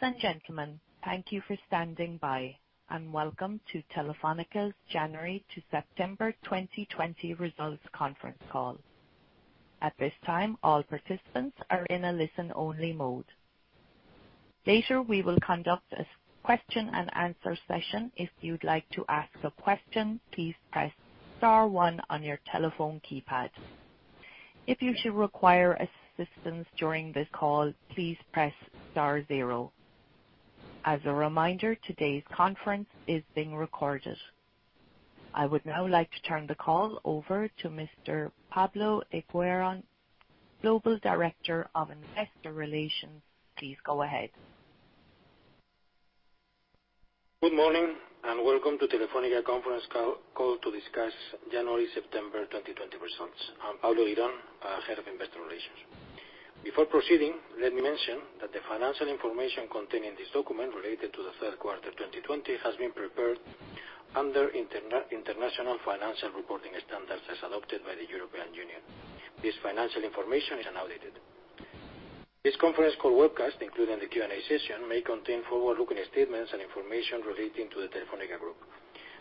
Ladies and gentlemen, thank you for standing by, and welcome to Telefónica's January to September 2020 results conference call. At this time, all participants are in a listen-only mode. Later, we will conduct a question and answer session. If you'd like to ask a question, please press star one on your telephone keypad. If you should require assistance during this call, please press star zero. As a reminder, today's conference is being recorded. I would now like to turn the call over to Mr. Pablo Eguiron, Global Director of Investor Relations. Please go ahead. Good morning and welcome to Telefónica conference call to discuss January to September 2020 results. I'm Pablo Eguiron, Head of Investor Relations. Before proceeding, let me mention that the financial information contained in this document related to the third quarter 2020 has been prepared under International Financial Reporting Standards as adopted by the European Union. This financial information is unaudited. This conference call webcast, including the Q&A session, may contain forward-looking statements and information relating to the Telefónica Group.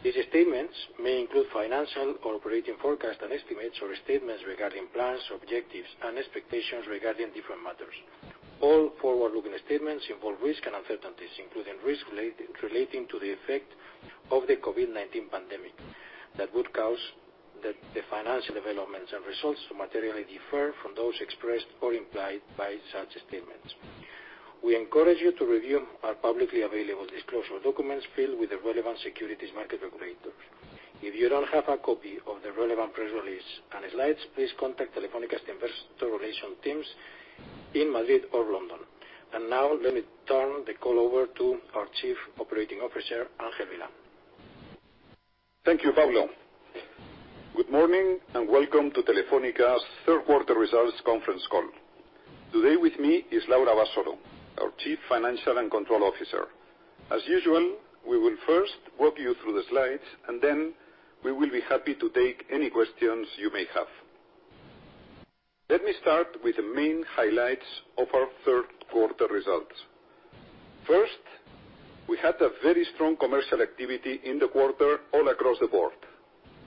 These statements may include financial or operating forecasts and estimates or statements regarding plans, objectives, and expectations regarding different matters. All forward-looking statements involve risks and uncertainties, including risks relating to the effect of the COVID-19 pandemic, that would cause the financial developments and results to materially differ from those expressed or implied by such statements. We encourage you to review our publicly available disclosure documents filed with the relevant securities market regulators. If you don't have a copy of the relevant press release and slides, please contact Telefónica's investor relation teams in Madrid or London. Now, let me turn the call over to our Chief Operating Officer, Ángel Vilá. Thank you, Pablo. Good morning and welcome to Telefónica's third quarter results conference call. Today with me is Laura Abasolo, our Chief Financial and Control Officer. As usual, we will first walk you through the slides. Then we will be happy to take any questions you may have. Let me start with the main highlights of our third quarter results. First, we had a very strong commercial activity in the quarter all across the board,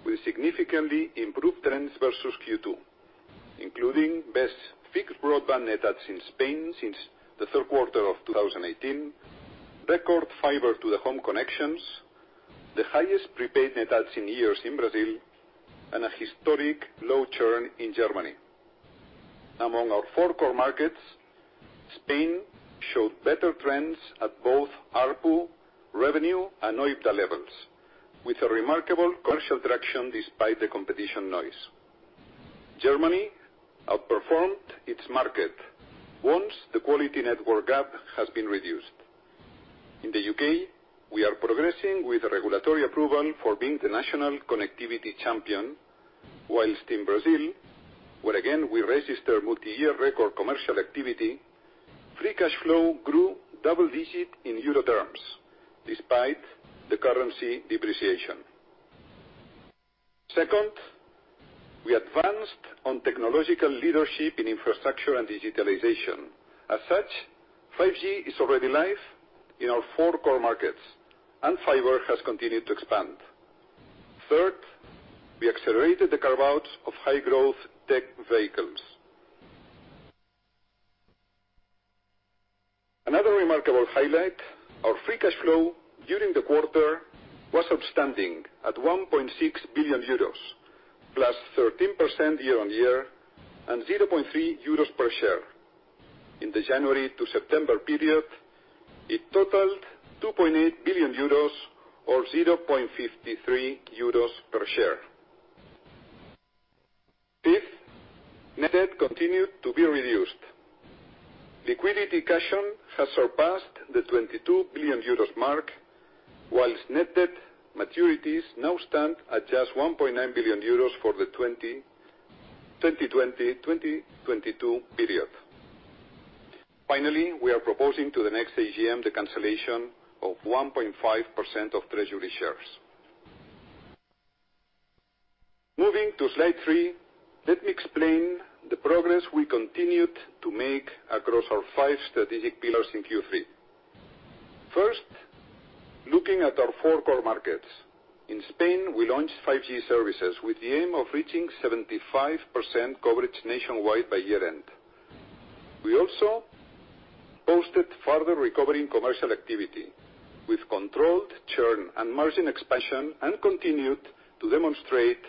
with significantly improved trends versus Q2, including best fixed broadband net adds in Spain since the third quarter of 2018, record fiber-to-the-home connections, the highest prepaid net adds in years in Brazil, and a historic low churn in Germany. Among our four core markets, Spain showed better trends at both ARPU, revenue, and OIBDA levels, with a remarkable commercial traction despite the competition noise. Germany outperformed its market once the quality network gap has been reduced. In the U.K., we are progressing with the regulatory approval for being the national connectivity champion, whilst in Brazil, where again we registered multi-year record commercial activity, free cash flow grew double digits in EUR terms despite the currency depreciation. Second, we advanced on technological leadership in infrastructure and digitalization. As such, 5G is already live in our four core markets, and fiber has continued to expand. Third, we accelerated the carve-outs of high-growth tech vehicles. Another remarkable highlight, our free cash flow during the quarter was outstanding at 1.6 billion euros, +13% year-over-year and 0.3 euros per share. In the January to September period, it totaled 2.8 billion euros or 0.53 euros per share. Fifth, net debt continued to be reduced. Liquidity cushion has surpassed the 22 billion euros mark, whilst net debt maturities now stand at just 1.9 billion euros for the 2020-2022 period. Finally, we are proposing to the next AGM the cancellation of 1.5% of treasury shares. Moving to slide three, let me explain the progress we continued to make across our five strategic pillars in Q3. First, looking at our four core markets. In Spain, we launched 5G services with the aim of reaching 75% coverage nationwide by year-end. We also posted further recovery in commercial activity with controlled churn and margin expansion and continued to demonstrate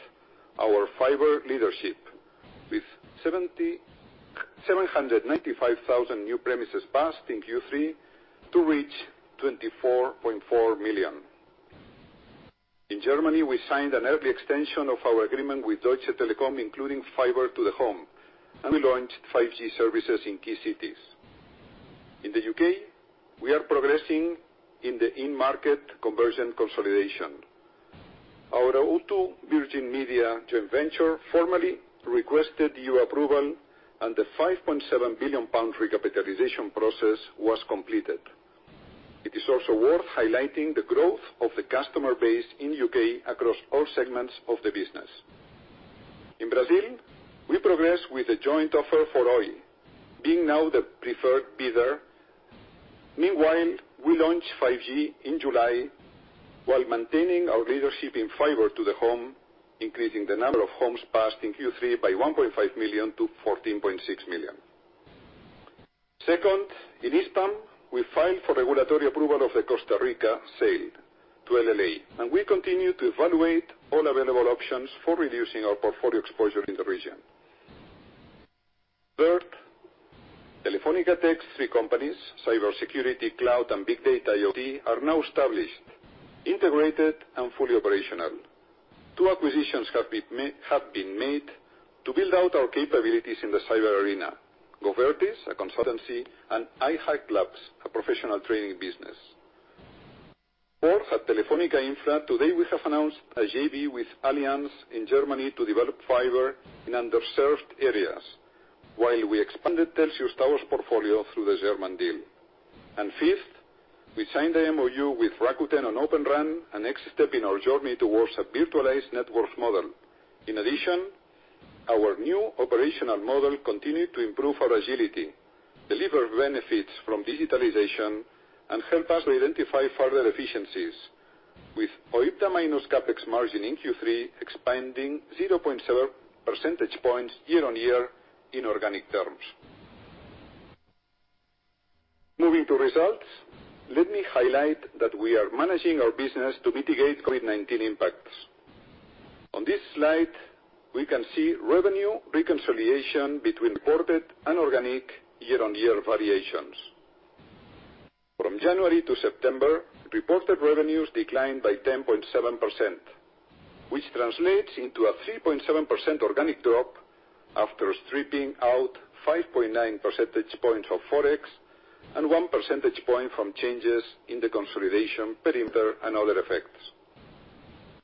our fiber leadership with 795,000 new premises passed in Q3 to reach 24.4 million. In Germany, we signed an early extension of our agreement with Deutsche Telekom, including fiber to the home, and we launched 5G services in key cities. In the U.K., we are progressing in the in-market conversion consolidation. Our Virgin Media O2 joint venture formally requested E.U. approval, and the 5.7 billion pound recapitalization process was completed. It is also worth highlighting the growth of the customer base in U.K. across all segments of the business. In Brazil, we progress with the joint offer for Oi, being now the preferred bidder. Meanwhile, we launched 5G in July while maintaining our leadership in fiber to the home, increasing the number of homes passed in Q3 by 1.5 million to 14.6 million. Second, in Hispam, we filed for regulatory approval of the Costa Rica sale to LLA, and we continue to evaluate all available options for reducing our portfolio exposure in the region. Third, Telefónica Tech's three companies, cybersecurity, cloud, and Big Data IoT, are now established, integrated, and fully operational. Two acquisitions have been made to build out our capabilities in the cyber arena: Govertis, a consultancy, and iHackLabs, a professional training business. Fourth, at Telefónica Infra, today we have announced a JV with Allianz in Germany to develop fiber in underserved areas, while we expanded Telxius Towers' portfolio through the German deal. Fifth, we signed the MoU with Rakuten on Open RAN, a next step in our journey towards a virtualized network model. In addition, our new operational model continued to improve our agility, deliver benefits from digitalization, and help us to identify further efficiencies with OIBDA minus CapEx margin in Q3 expanding 0.7 percentage points year-on-year in organic terms. Moving to results, let me highlight that we are managing our business to mitigate COVID-19 impacts. On this slide, we can see revenue reconciliation between reported and organic year-on-year variations. From January to September, reported revenues declined by 10.7%, which translates into a 3.7% organic drop after stripping out 5.9 percentage points of Forex and one percentage point from changes in the consolidation perimeter and other effects.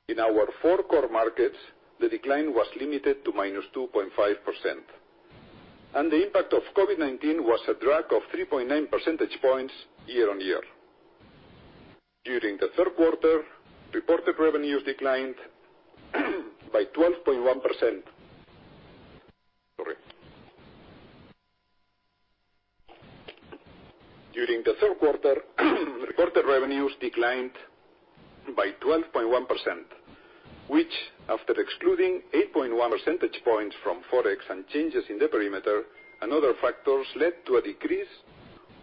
In our four core markets, the decline was limited to -2.5%, and the impact of COVID-19 was a drag of 3.9 percentage points year-on-year. During the third quarter, reported revenues declined by 12.1%. Sorry. During the third quarter, reported revenues declined by 12.1%, which, after excluding 8.1 percentage points from Forex and changes in the perimeter and other factors, led to a decrease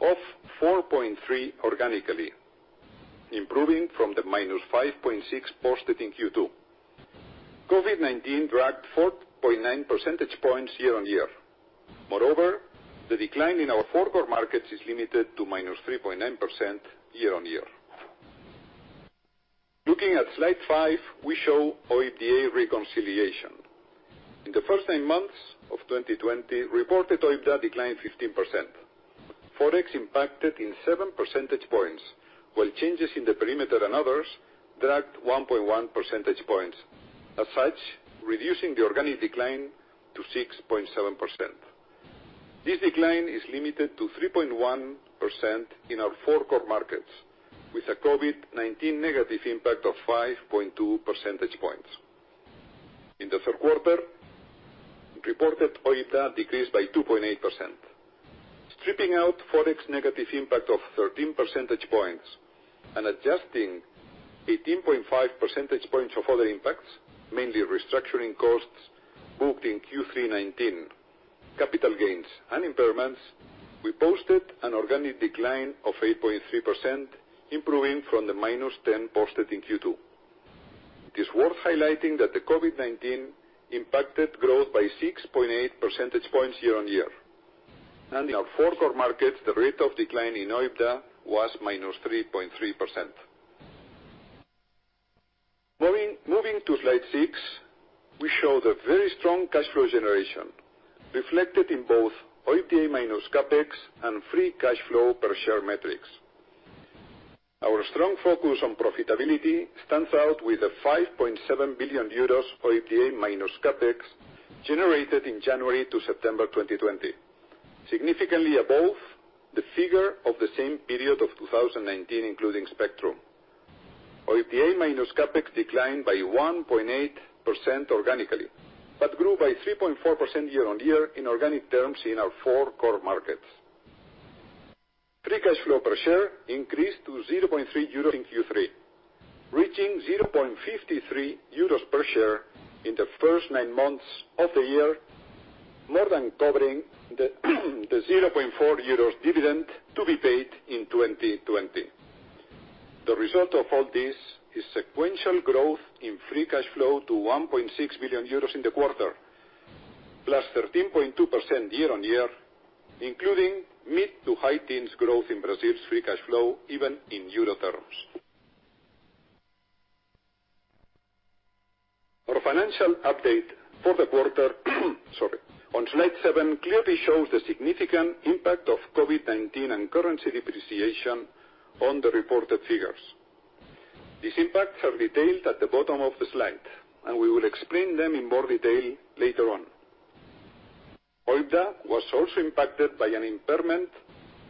of 4.3% organically, improving from the -5.6% posted in Q2. COVID-19 dragged 4.9 percentage points year-on-year. Moreover, the decline in our four core markets is limited to -3.9% year-on-year. Looking at slide five, we show OIBDA reconciliation. In the first nine months of 2020, reported OIBDA declined 15%. Forex impacted in seven percentage points, while changes in the perimeter and others dragged 1.1 percentage points, as such, reducing the organic decline to 6.7%. This decline is limited to 3.1% in our four core markets, with a COVID-19 negative impact of 5.2 percentage points. In the third quarter, reported OIBDA decreased by 2.8%. Stripping out Forex negative impact of 13 percentage points and adjusting 18.5 percentage points of other impacts, mainly restructuring costs booked in Q3 2019, capital gains and impairments, we posted an organic decline of 8.3%, improving from the -10 posted in Q2. It is worth highlighting that the COVID-19 impacted growth by 6.8 percentage points year-on-year, and in our four core markets, the rate of decline in OIBDA was -3.3%. Moving to slide six, we show the very strong cash flow generation reflected in both OIBDA minus CapEx and free cash flow per share metrics. Our strong focus on profitability stands out with a 5.7 billion euros OIBDA minus CapEx generated in January to September 2020, significantly above the figure of the same period of 2019, including spectrum. OIBDA minus CapEx declined by 1.8% organically, but grew by 3.4% year-on-year in organic terms in our four core markets. Free cash flow per share increased to 0.3 euros in Q3, reaching 0.53 euros per share in the first nine months of the year, more than covering the 0.4 euros dividend to be paid in 2020. The result of all this is sequential growth in free cash flow to 1.6 billion euros in the quarter, +13.2% year-on-year, including mid-to-high teens growth in Brazil's free cash flow even in euro terms. Our financial update for the quarter, sorry, on slide seven clearly shows the significant impact of COVID-19 and currency depreciation on the reported figures. These impacts are detailed at the bottom of the slide, and we will explain them in more detail later. OIBDA was also impacted by an impairment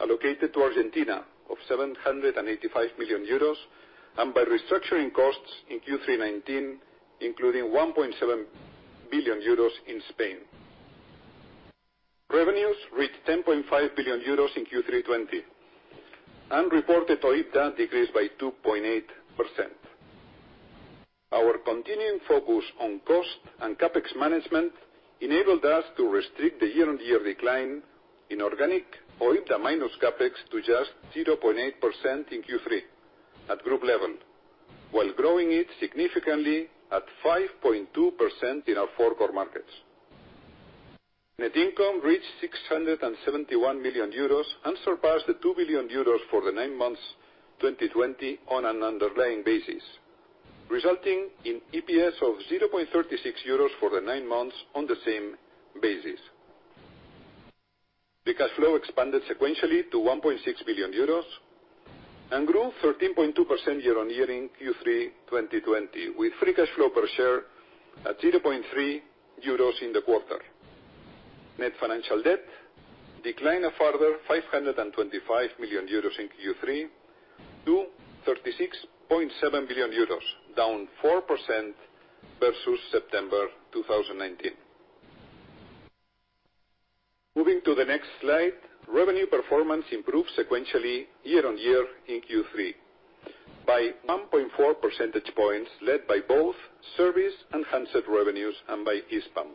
allocated to Argentina of 785 million euros and by restructuring costs in Q3 2019, including 1.7 billion euros in Spain. Revenues reached 10.5 billion euros in Q3 2020, and reported OIBDA decreased by 2.8%. Our continuing focus on cost and CapEx management enabled us to restrict the year-on-year decline in organic OIBDA minus CapEx to just 0.8% in Q3 at group level, while growing it significantly at 5.2% in our four core markets. Net income reached 671 million euros and surpassed 2 billion euros for the nine months 2020 on an underlying basis, resulting in EPS of 0.36 euros for the nine months on the same basis. Free cash flow expanded sequentially to 1.6 billion euros and grew 13.2% year-on-year in Q3 2020, with free cash flow per share at 0.30 euros in the quarter. Net financial debt declined a further 525 million euros in Q3 to 36.7 billion euros, down 4% versus September 2019. Moving to the next slide, revenue performance improved sequentially year-on-year in Q3 by 1.4 percentage points, led by both service and handset revenues and by Hispam.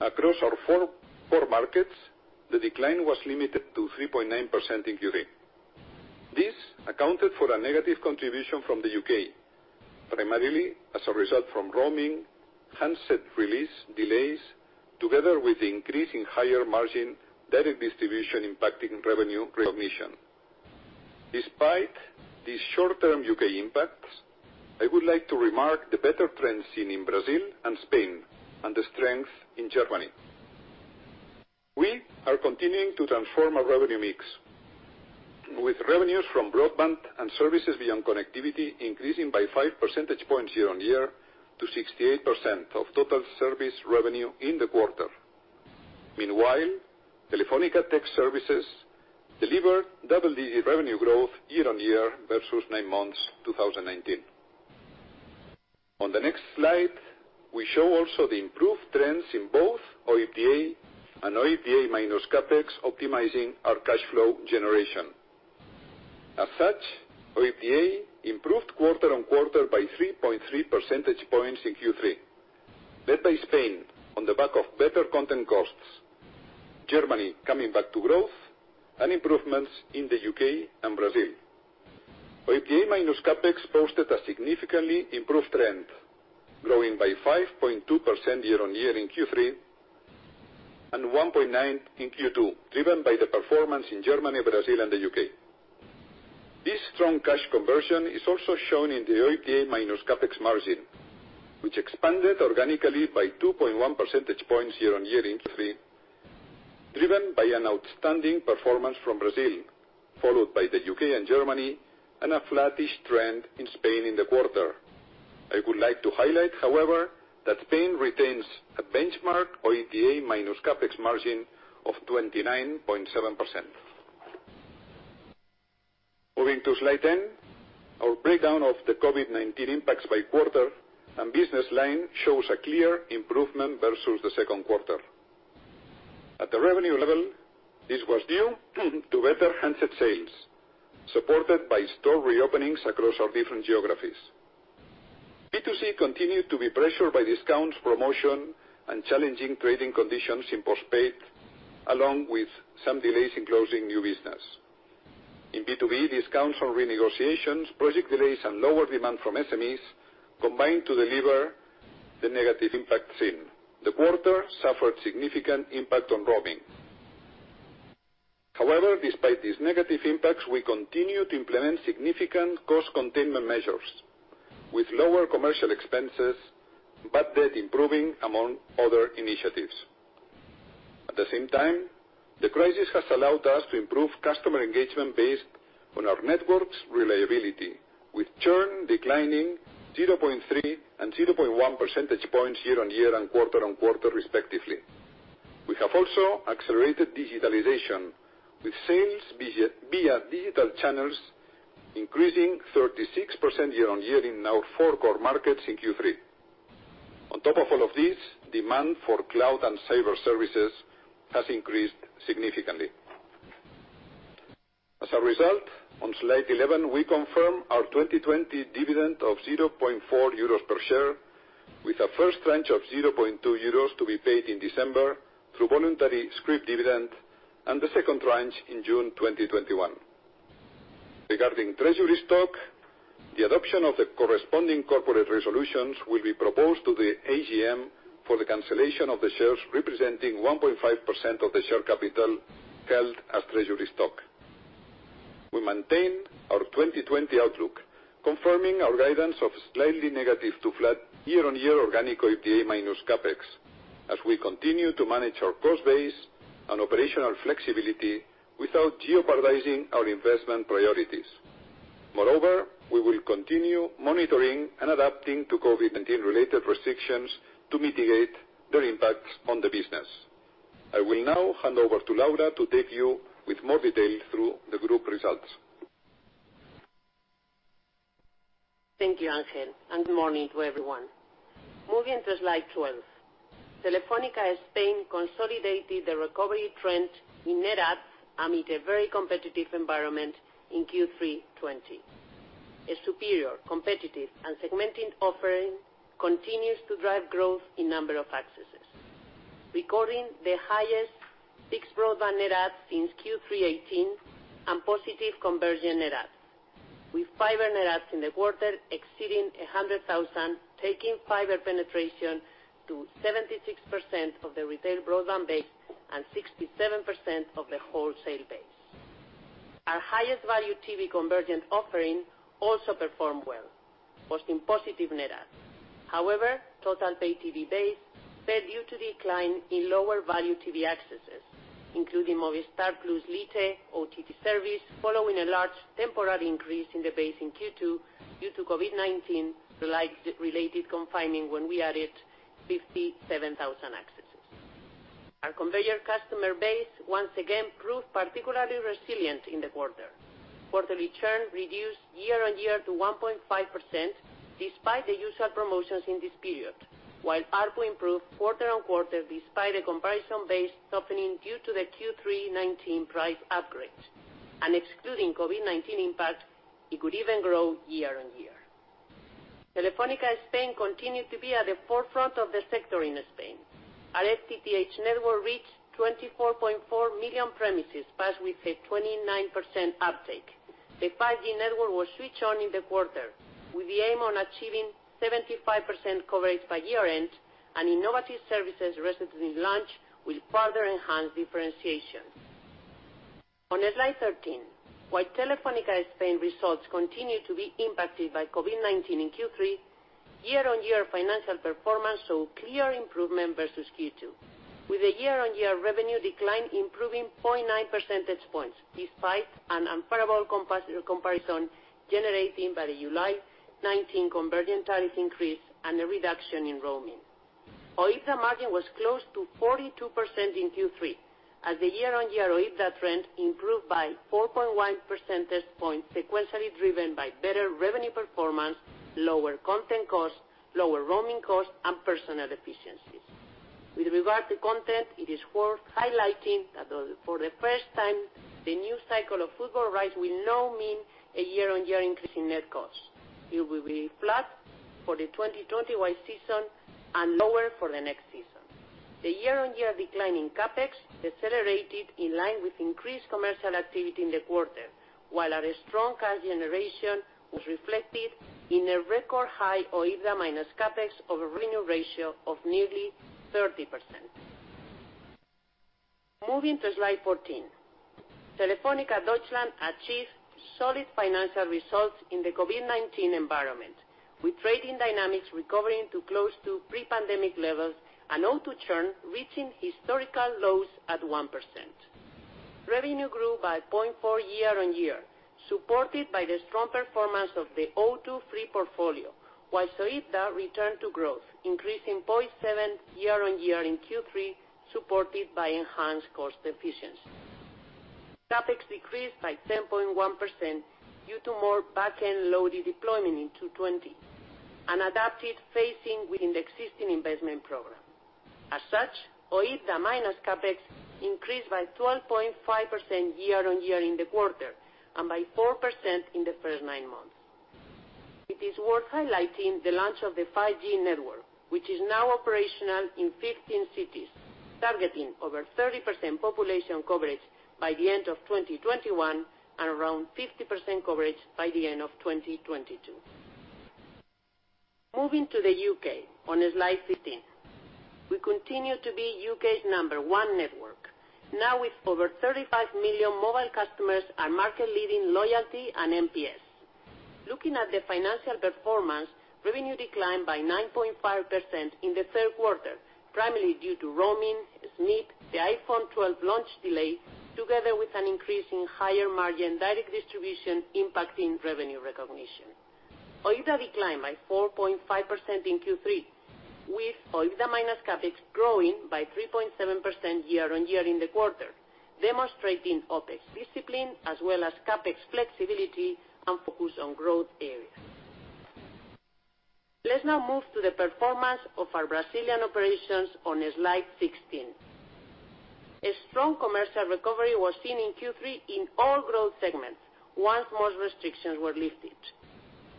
Across our four core markets, the decline was limited to 3.9% in Q3. This accounted for a negative contribution from the U.K., primarily as a result from roaming handset release delays, together with the increase in higher margin direct distribution impacting revenue recognition. Despite these short-term U.K. impacts, I would like to remark the better trends seen in Brazil and Spain and the strength in Germany. We are continuing to transform our revenue mix, with revenues from broadband and services beyond connectivity increasing by 5% year-on-year to 68% of total service revenue in the quarter. Meanwhile, Telefónica Tech services delivered double-digit revenue growth year-on-year versus nine months 2019. On the next slide, we show also the improved trends in both OIBDA and OIBDA minus CapEx, optimizing our cash flow generation. As such, OIBDA improved quarter-on-quarter by 3.3 percentage points in Q3, led by Spain on the back of better content costs, Germany coming back to growth, and improvements in the U.K. and Brazil. OIBDA minus CapEx posted a significantly improved trend, growing by 5.2% year-on-year in Q3 and 1.9% in Q2, driven by the performance in Germany, Brazil, and the U.K. This strong cash conversion is also shown in the OIBDA minus CapEx margin, which expanded organically by 2.1 percentage points year-on-year in Q3, driven by an outstanding performance from Brazil, followed by the U.K. and Germany, and a flattish trend in Spain in the quarter. I would like to highlight, however, that Spain retains a benchmark OIBDA minus CapEx margin of 29.7%. Moving to slide 10, our breakdown of the COVID-19 impacts by quarter and business line shows a clear improvement versus the second quarter. At the revenue level, this was due to better handset sales, supported by store reopenings across our different geographies. B2C continued to be pressured by discounts, promotion, and challenging trading conditions in postpaid, along with some delays in closing new business. In B2B, discounts on renegotiations, project delays, and lower demand from SMEs combined to deliver the negative impacts seen. The quarter suffered significant impact on roaming. However, despite these negative impacts, we continue to implement significant cost containment measures with lower commercial expenses, bad debt improving, among other initiatives. At the same time, the crisis has allowed us to improve customer engagement based on our network's reliability, with churn declining 0.3 and 0.1 percentage points year-on-year and quarter-on-quarter respectively. We have also accelerated digitalization with sales via digital channels increasing 36% year-on-year in our four core markets in Q3. On top of all of this, demand for cloud and cyber services has increased significantly. As a result, on slide 11, we confirm our 2020 dividend of 0.4 euros per share, with a first tranche of 0.2 euros to be paid in December through voluntary scrip dividend, and the second tranche in June 2021. Regarding treasury stock, the adoption of the corresponding corporate resolutions will be proposed to the AGM for the cancellation of the shares representing 1.5% of the share capital held as treasury stock. We maintain our 2020 outlook, confirming our guidance of slightly negative to flat year-on-year organic OIBDA minus CapEx, as we continue to manage our cost base and operational flexibility without jeopardizing our investment priorities. Moreover, we will continue monitoring and adapting to COVID-19 related restrictions to mitigate their impacts on the business. I will now hand over to Laura to take you with more detail through the group results. Thank you, Ángel, and good morning to everyone. Moving to slide 12. Telefónica España consolidated the recovery trend in net adds amid a very competitive environment in Q3 2020. A superior, competitive and segmented offering continues to drive growth in number of accesses. Recording the highest fixed broadband net adds since Q3 2018 and positive conversion net adds, with fiber net adds in the quarter exceeding 100,000, taking fiber penetration to 76% of the retail broadband base and 67% of the wholesale base. Our highest value TV convergent offering also performed well, posting positive net adds. However, total pay TV base fell due to decline in lower value TV accesses, including Movistar+ Lite OTT service, following a large temporary increase in the base in Q2 due to COVID-19 related confining when we added 57,000 accesses. Our convergent customer base once again proved particularly resilient in the quarter. Quarterly churn reduced year-on-year to 1.5%, despite the usual promotions in this period. While ARPU improved quarter-on-quarter, despite a comparison base softening due to the Q3 2019 price upgrades. Excluding COVID-19 impact, it could even grow year-on-year. Telefónica Spain continued to be at the forefront of the sector in Spain. Our FTTH network reached 24.4 million premises, passed with a 29% uptake. The 5G network was switched on in the quarter, with the aim on achieving 75% coverage by year-end and innovative services recently launched will further enhance differentiation. On slide 13, while Telefónica Spain results continue to be impacted by COVID-19 in Q3, year-on-year financial performance show clear improvement versus Q2, with a year-on-year revenue decline improving 0.9 percentage points, despite an unfavorable comparison generated by the July 2019 convergent tariff increase and a reduction in roaming. OIBDA margin was close to 42% in Q3, as the year-on-year OIBDA trend improved by 4.1 percentage points, sequentially driven by better revenue performance, lower content costs, lower roaming costs, and personnel efficiencies. With regard to content, it is worth highlighting that for the first time, the new cycle of football rights will now mean a year-on-year increase in net costs. It will be flat for the 2021 season and lower for the next season. The year-on-year decline in CapEx decelerated in line with increased commercial activity in the quarter, while our strong cash generation was reflected in a record high OIBDA minus CapEx over revenue ratio of nearly 30%. Moving to slide 14. Telefónica Deutschland achieved solid financial results in the COVID-19 environment, with trading dynamics recovering to close to pre-pandemic levels and O2 churn reaching historical lows at 1%. Revenue grew by 0.4% year-on-year, supported by the strong performance of the O2 Free portfolio, while OIBDA returned to growth, increasing 0.7% year-on-year in Q3, supported by enhanced cost efficiency. CapEx decreased by 10.1% due to more back-end loaded deployment in 2020, an adapted phasing within the existing investment program. As such, OIBDA minus CapEx increased by 12.5% year-on-year in the quarter and by 4% in the first nine months. It is worth highlighting the launch of the 5G network, which is now operational in 15 cities, targeting over 30% population coverage by the end of 2021 and around 50% coverage by the end of 2022. Moving to the U.K. on slide 15. We continue to be U.K.'s number one network, now with over 35 million mobile customers and market-leading loyalty and NPS. Looking at the financial performance, revenue declined by 9.5% in the third quarter, primarily due to roaming, SMIP, the iPhone 12 launch delay, together with an increase in higher margin direct distribution impacting revenue recognition. OIBDA declined by 4.5% in Q3, with OIBDA minus CapEx growing by 3.7% year-on-year in the quarter, demonstrating OpEx discipline as well as CapEx flexibility and focus on growth areas. Let's now move to the performance of our Brazilian operations on slide 16. A strong commercial recovery was seen in Q3 in all growth segments once most restrictions were lifted.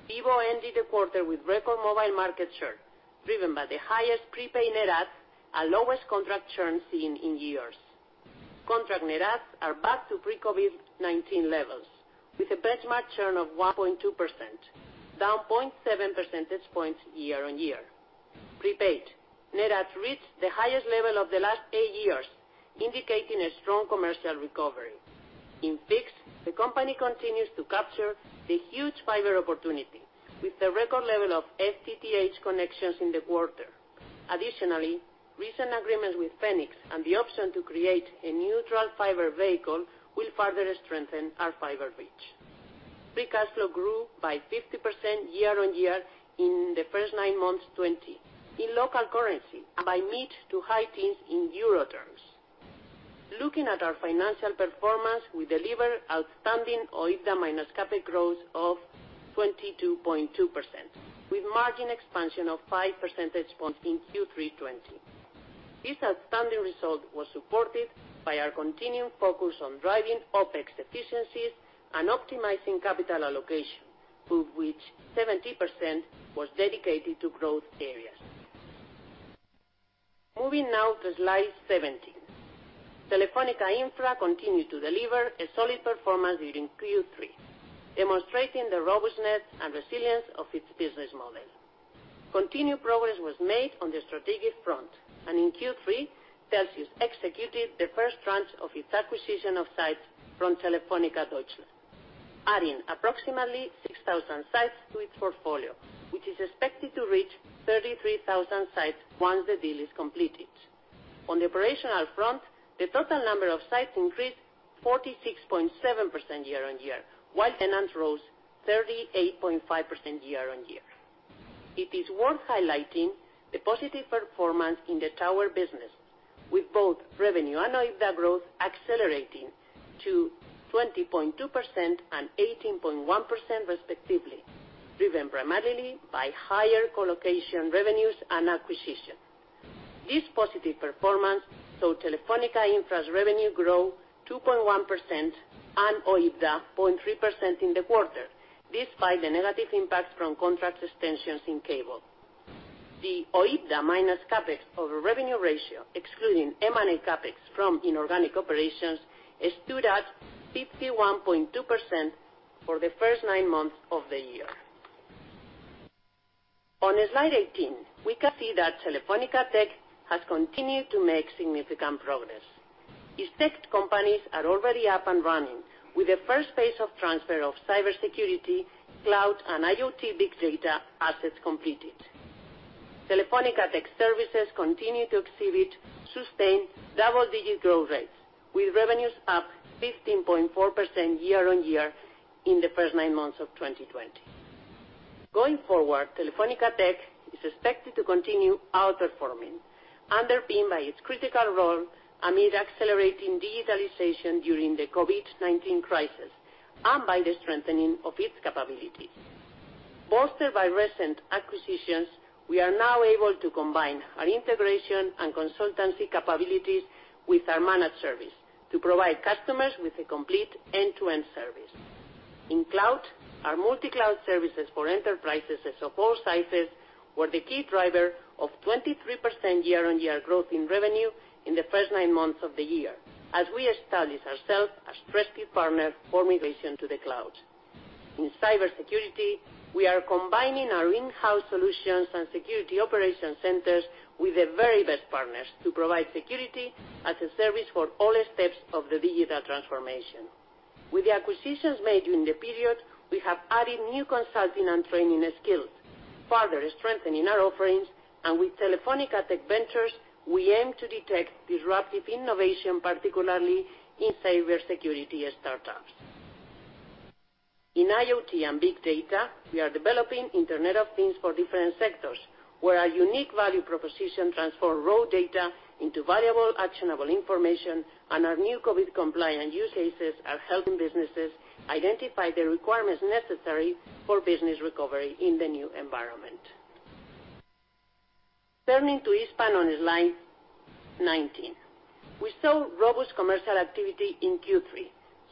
Vivo ended the quarter with record mobile market share, driven by the highest prepaid net adds and lowest contract churn seen in years. Contract net adds are back to pre-COVID-19 levels with a benchmark churn of 1.2%, down 0.7 percentage points year-on-year. Prepaid net adds reached the highest level of the last eight years, indicating a strong commercial recovery. In fixed, the company continues to capture the huge fiber opportunity with the record level of FTTH connections in the quarter. Additionally, recent agreements with Phoenix and the option to create a neutral fiber vehicle will further strengthen our fiber reach. Free cash flow grew by 50% year-on-year in the first nine months of 2020 in local currency, and by mid to high teens in euro terms. Looking at our financial performance, we delivered outstanding OIBDA minus CapEx growth of 22.2%, with margin expansion of 5% percentage points in Q3 2020. This outstanding result was supported by our continued focus on driving OpEx efficiencies and optimizing capital allocation, of which 70% was dedicated to growth areas. Moving now to slide 17. Telefónica Infra continued to deliver a solid performance during Q3, demonstrating the robustness and resilience of its business model. Continued progress was made on the strategic front, and in Q3, Telxius executed the first tranche of its acquisition of sites from Telefónica Deutschland, adding approximately 6,000 sites to its portfolio, which is expected to reach 33,000 sites once the deal is completed. On the operational front, the total number of sites increased 46.7% year-on-year, while tenants rose 38.5% year-on-year. It is worth highlighting the positive performance in the tower business, with both revenue and OIBDA growth accelerating to 20.2% and 18.1% respectively, driven primarily by higher colocation revenues and acquisition. This positive performance saw Telefónica Infra's revenue grow 2.1% and OIBDA 0.3% in the quarter, despite the negative impact from contract extensions in cable. The OIBDA minus CapEx over revenue ratio, excluding M&A CapEx from inorganic operations, stood at 51.2% for the first nine months of the year. On slide 18, we can see that Telefónica Tech has continued to make significant progress. Its tech companies are already up and running, with the first phase of transfer of cybersecurity, cloud, and IoT Big Data assets completed. Telefónica Tech services continue to exhibit sustained double-digit growth rates, with revenues up 15.4% year-on-year in the first nine months of 2020. Going forward, Telefónica Tech is expected to continue outperforming, underpinned by its critical role amid accelerating digitalization during the COVID-19 crisis, and by the strengthening of its capabilities. Bolstered by recent acquisitions, we are now able to combine our integration and consultancy capabilities with our managed service to provide customers with a complete end-to-end service. In cloud, our multi-cloud services for enterprises of all sizes were the key driver of 23% year-on-year growth in revenue in the first nine months of the year, as we established ourselves as trusted partner for migration to the cloud. In cybersecurity, we are combining our in-house solutions and security operation centers with the very best partners to provide security as a service for all steps of the digital transformation. With the acquisitions made during the period, we have added new consulting and training skills, further strengthening our offerings. With Telefónica Tech Ventures, we aim to detect disruptive innovation, particularly in cybersecurity startups. In IoT and Big Data, we are developing Internet of Things for different sectors, where our unique value proposition transforms raw data into valuable, actionable information. Our new COVID-compliant use cases are helping businesses identify the requirements necessary for business recovery in the new environment. Turning to Hispam on slide 19. We saw robust commercial activity in Q3,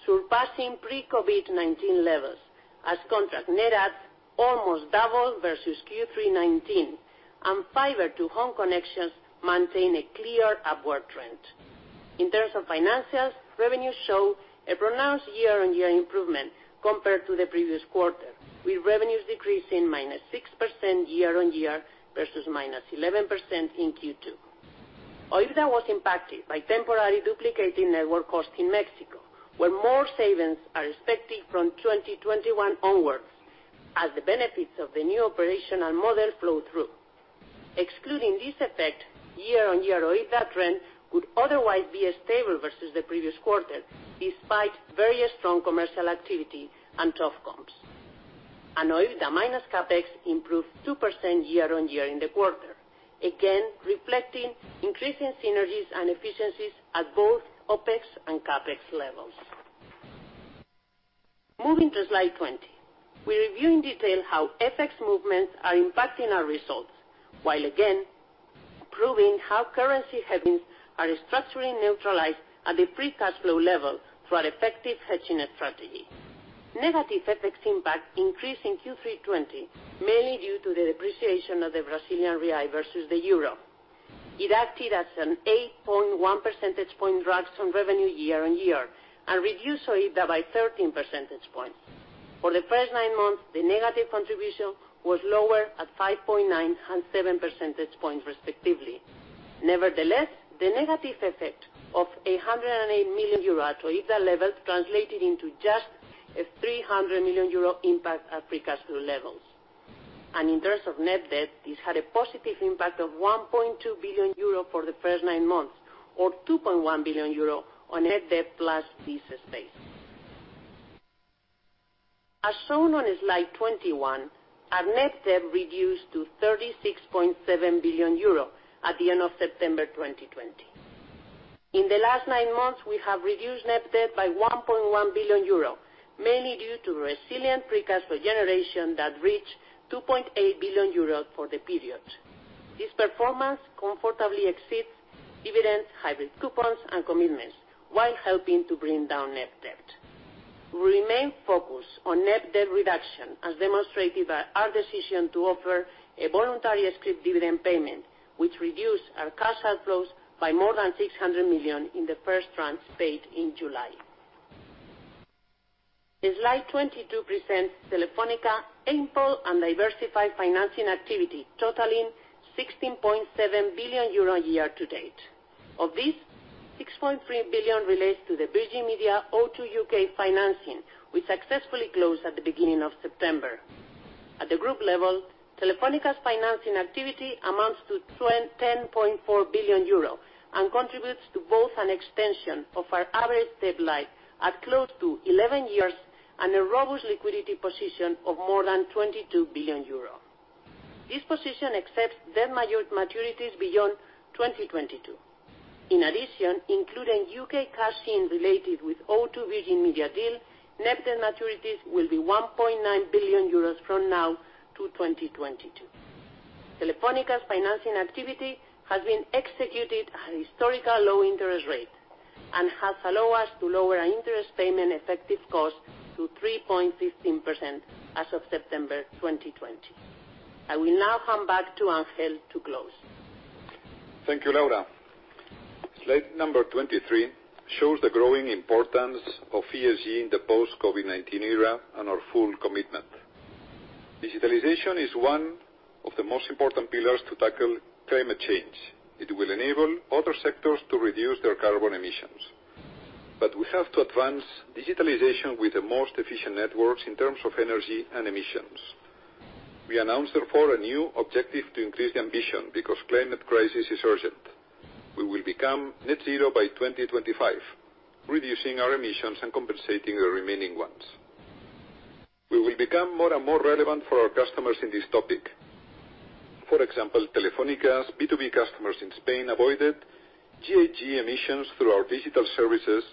surpassing pre-COVID-19 levels, as contract net adds almost doubled versus Q3 2019, and fiber to home connections maintain a clear upward trend. In terms of financials, revenues show a pronounced year-on-year improvement compared to the previous quarter, with revenues decreasing -6% year-on-year versus -11% in Q2. OIBDA was impacted by temporary duplicating network costs in Mexico, where more savings are expected from 2021 onwards, as the benefits of the new operational model flow through. Excluding this effect, year-on-year OIBDA trend would otherwise be stable versus the previous quarter, despite very strong commercial activity and tough comps. OIBDA minus CapEx improved 2% year-on-year in the quarter, again, reflecting increasing synergies and efficiencies at both OpEx and CapEx levels. Moving to slide 20. We review in detail how FX movements are impacting our results, while again proving how currency hedges are structurally neutralized at the free cash flow level through our effective hedging strategy. Negative FX impact increased in Q3 2020, mainly due to the depreciation of the Brazilian real versus the Euro. It acted as an 8.1 percentage point drop from revenue year-on-year, and reduced OIBDA by 13 percentage points. For the first nine months, the negative contribution was lower at 5.9 and 7 percentage points, respectively. Nevertheless, the negative effect of a 108 million euro EBITDA level translated into just a 300 million euro impact at free cash flow levels. In terms of net debt, this had a positive impact of 1.2 billion euro for the first nine months, or 2.1 billion euro on net debt plus leases paid. As shown on slide 21, our net debt reduced to 36.7 billion euro at the end of September 2020. In the last nine months, we have reduced net debt by 1.1 billion euro, mainly due to resilient free cash flow generation that reached 2.8 billion euro for the period. This performance comfortably exceeds dividends, hybrid coupons, and commitments while helping to bring down net debt. We remain focused on net debt reduction, as demonstrated by our decision to offer a voluntary scrip dividend payment, which reduced our cash outflows by more than 600 million in the first tranche paid in July. The slide 22 presents Telefónica ample and diversified financing activity totaling 16.7 billion euro year-to-date. Of this, 6.3 billion relates to the Virgin Media O2 U.K. financing, which successfully closed at the beginning of September. At the group level, Telefónica's financing activity amounts to 10.4 billion euro and contributes to both an extension of our average debt life at close to 11 years and a robust liquidity position of more than 22 billion euros. This position exceeds debt maturities beyond 2022. In addition, including U.K. cash-in related with Virgin Media O2 deal, net debt maturities will be 1.9 billion euros from now to 2022. Telefónica's financing activity has been executed at a historical low interest rate and has allowed us to lower our interest payment effective cost to 3.15% as of September 2020. I will now hand back to Ángel to close. Thank you, Laura. Slide number 23 shows the growing importance of ESG in the post-COVID-19 era and our full commitment. Digitalization is one of the most important pillars to tackle climate change. It will enable other sectors to reduce their carbon emissions. We have to advance digitalization with the most efficient networks in terms of energy and emissions. We announced, therefore, a new objective to increase the ambition because climate crisis is urgent. We will become net zero by 2025, reducing our emissions and compensating the remaining ones. We will become more and more relevant for our customers in this topic. For example, Telefónica's B2B customers in Spain avoided GHG emissions through our digital services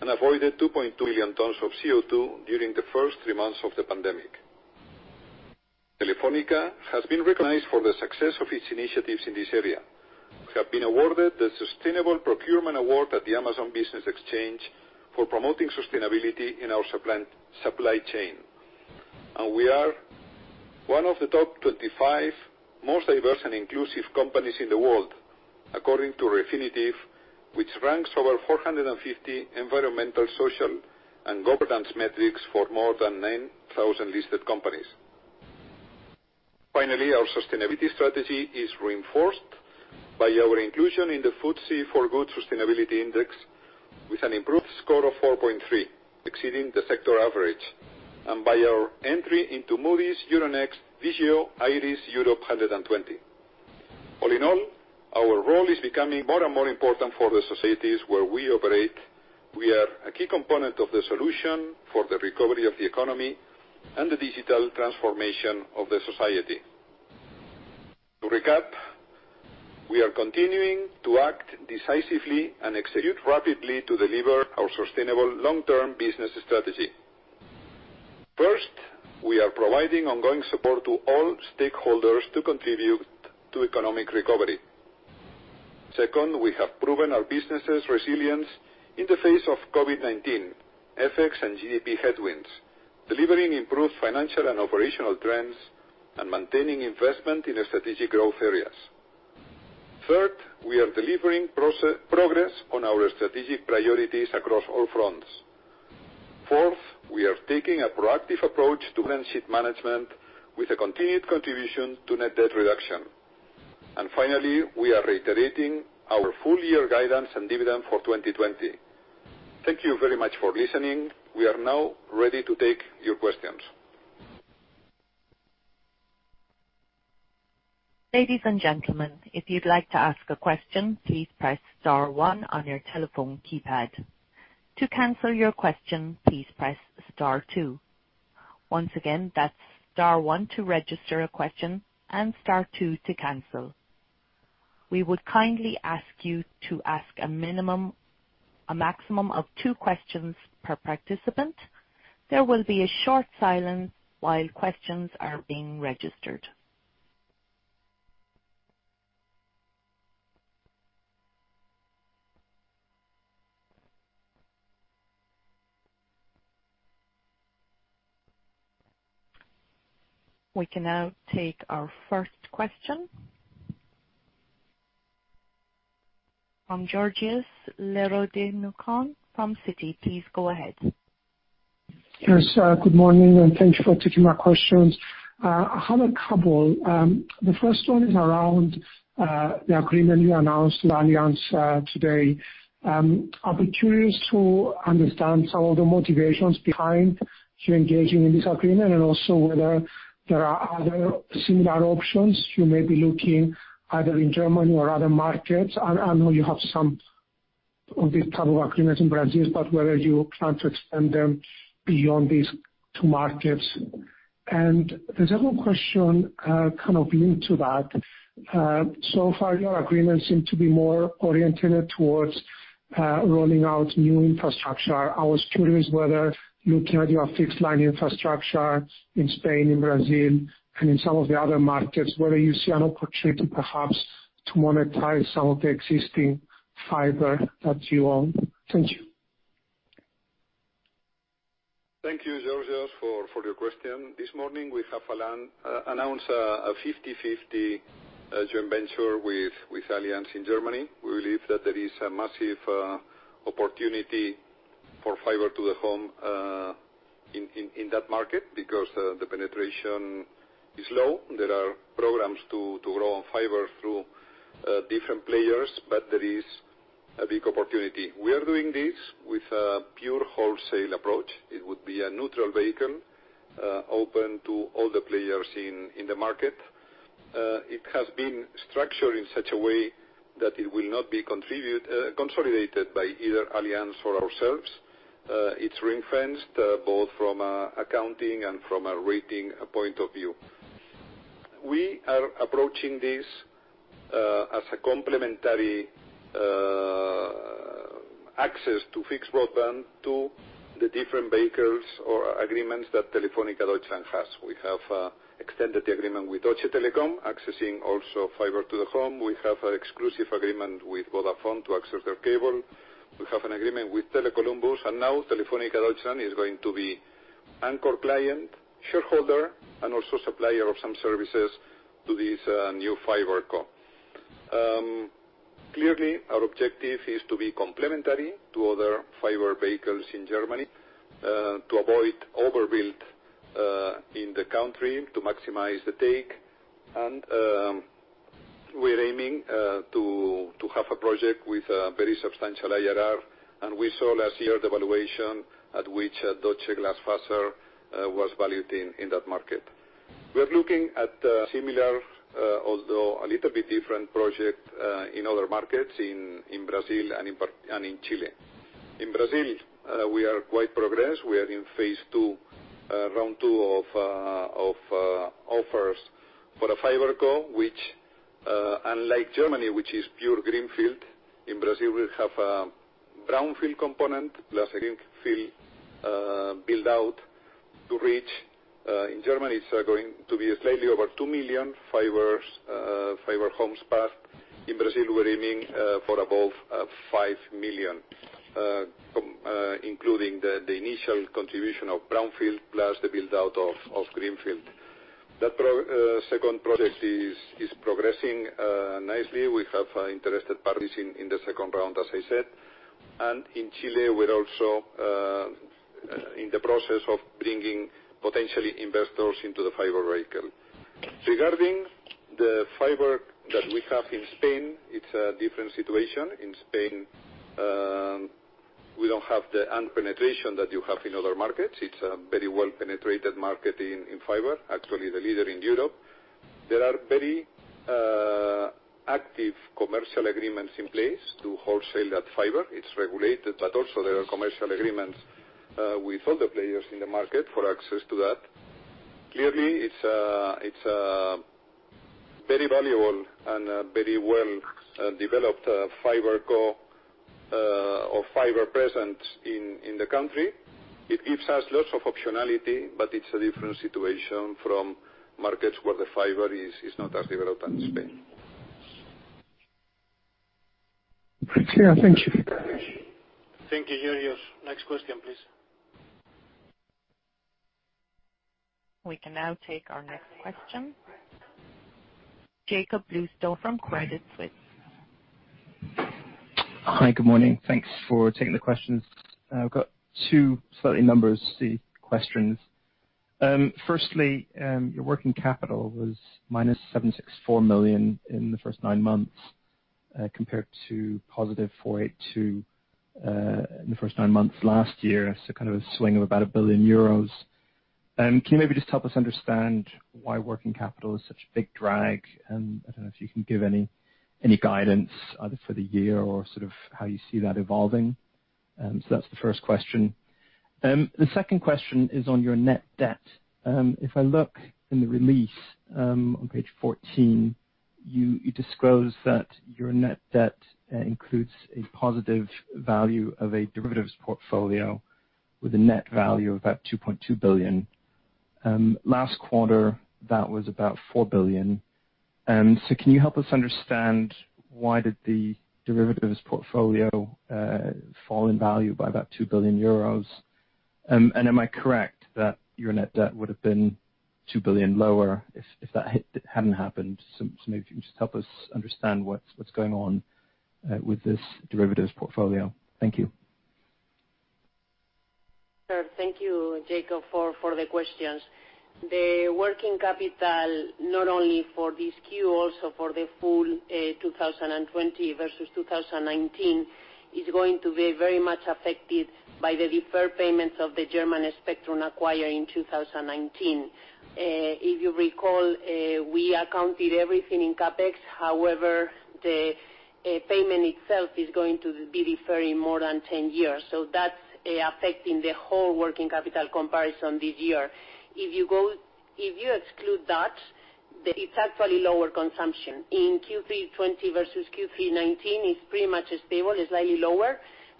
and avoided 2.2 million tons of CO2 during the first three months of the pandemic. Telefónica has been recognized for the success of its initiatives in this area. We have been awarded the Sustainable Procurement Award at the Amazon Business Exchange for promoting sustainability in our supply chain. We are one of the top 25 most diverse and inclusive companies in the world, according to Refinitiv, which ranks over 450 environmental, social, and governance metrics for more than 9,000 listed companies. Finally, our sustainability strategy is reinforced by our inclusion in the FTSE4Good Sustainability Index with an improved score of 4.3, exceeding the sector average, and by our entry into Moody's Euronext Vigeo Eiris Europe 120. All in all, our role is becoming more and more important for the societies where we operate. We are a key component of the solution for the recovery of the economy and the digital transformation of the society. To recap, we are continuing to act decisively and execute rapidly to deliver our sustainable long-term business strategy. First, we are providing ongoing support to all stakeholders to contribute to economic recovery. Second, we have proven our businesses' resilience in the face of COVID-19, FX, and GDP headwinds, delivering improved financial and operational trends and maintaining investment in strategic growth areas. Third, we are delivering progress on our strategic priorities across all fronts. Fourth, we are taking a proactive approach to management with a continued contribution to net debt reduction. Finally, we are reiterating our full year guidance and dividend for 2020. Thank you very much for listening. We are now ready to take your questions. Ladies and gentlemen, if you would like to ask a question please press star one on your telephone keypad. To cancel your question please press star two. Once again that's star one to register a question and star two to cancel. We would kindly ask you to ask a maximum of two questions per participant. There will be a short silence while the questions are being registered. We can now take our first question. From Georgios Ierodiaconou from Citi, please go ahead. Yes, good morning, and thank you for taking my questions. I have a couple. The first one is around the agreement you announced with Allianz today. I'd be curious to understand some of the motivations behind you engaging in this agreement and also whether there are other similar options you may be looking either in Germany or other markets. I know you have some of these type of agreements in Brazil, but whether you plan to extend them beyond these two markets. The second question, linked to that. So far, your agreements seem to be more oriented towards rolling out new infrastructure. I was curious whether, looking at your fixed line infrastructure in Spain, in Brazil, and in some of the other markets, whether you see an opportunity perhaps to monetize some of the existing fiber that you own. Thank you. Thank you, Georgios, for your question. This morning, we have announced a 50/50 joint venture with Allianz in Germany. We believe that there is a massive opportunity for fiber to the home in that market because the penetration is low. There are programs to grow on fiber through different players. There is a big opportunity. We are doing this with a pure wholesale approach. It would be a neutral vehicle, open to all the players in the market. It has been structured in such a way that it will not be consolidated by either Allianz or ourselves. It's ring-fenced, both from accounting and from a rating point of view. We are approaching this as a complementary access to fixed broadband to the different vehicles or agreements that Telefónica Deutschland has. We have extended the agreement with Deutsche Telekom, accessing also fiber to the home. We have an exclusive agreement with Vodafone to access their cable. We have an agreement with Tele Columbus, now Telefónica Deutschland is going to be anchor client, shareholder, and also supplier of some services to this new fiber co. Clearly, our objective is to be complementary to other fiber vehicles in Germany, to avoid overbuild in the country, to maximize the take. We're aiming to have a project with a very substantial IRR, and we saw last year the valuation at which Deutsche Glasfaser was valued in that market. We're looking at similar, although a little bit different project, in other markets, in Brazil and in Chile. In Brazil, we are quite progressed. We are in phase II, round two of offers for a fiber co, which, unlike Germany, which is pure greenfield, in Brazil, we have a brownfield component plus a greenfield build-out to reach. In Germany, it's going to be slightly over 2 million fiber homes passed. In Brazil, we're aiming for above 5 million, including the initial contribution of brownfield, plus the build-out of greenfield. That second project is progressing nicely. We have interested parties in the second round, as I said. In Chile, we're also in the process of bringing potentially investors into the fiber vehicle. Regarding the fiber that we have in Spain, it's a different situation. In Spain, we don't have the un-penetration that you have in other markets. It's a very well-penetrated market in fiber, actually the leader in Europe. There are very active commercial agreements in place to wholesale that fiber. It's regulated, but also there are commercial agreements with other players in the market for access to that. Clearly, it's a very valuable and very well-developed fiber co or fiber presence in the country. It gives us lots of optionality, but it's a different situation from markets where the fiber is not as developed as Spain. Great. Yeah, thank you. Thank you, Georgios. Next question, please. We can now take our next question. Jakob Bluestone from Credit Suisse. Hi, good morning. Thanks for taking the questions. I've got two slightly numbers questions. Firstly, your working capital was -764 million in the first nine months, compared to +482 in the first nine months last year. A swing of about 1 billion euros. Can you maybe just help us understand why working capital is such a big drag? I don't know if you can give any guidance either for the year or how you see that evolving? That's the first question. The second question is on your net debt. If I look in the release, on page 14, you disclose that your net debt includes a positive value of a derivatives portfolio with a net value of about 2.2 billion. Last quarter, that was about 4 billion. Can you help us understand why did the derivatives portfolio fall in value by about 2 billion euros? Am I correct that your net debt would have been 2 billion lower if that hadn't happened. Maybe if you can just help us understand what's going on with this derivatives portfolio. Thank you. Sure. Thank you, Jakob, for the questions. The working capital, not only for this Q, also for the full 2020 versus 2019, is going to be very much affected by the deferred payments of the German spectrum acquired in 2019. If you recall, we accounted everything in CapEx, however, the payment itself is going to be deferred more than 10 years. That's affecting the whole working capital comparison this year. If you exclude that, it's actually lower consumption. In Q3 2020 versus Q3 2019, it's pretty much stable, it's slightly lower.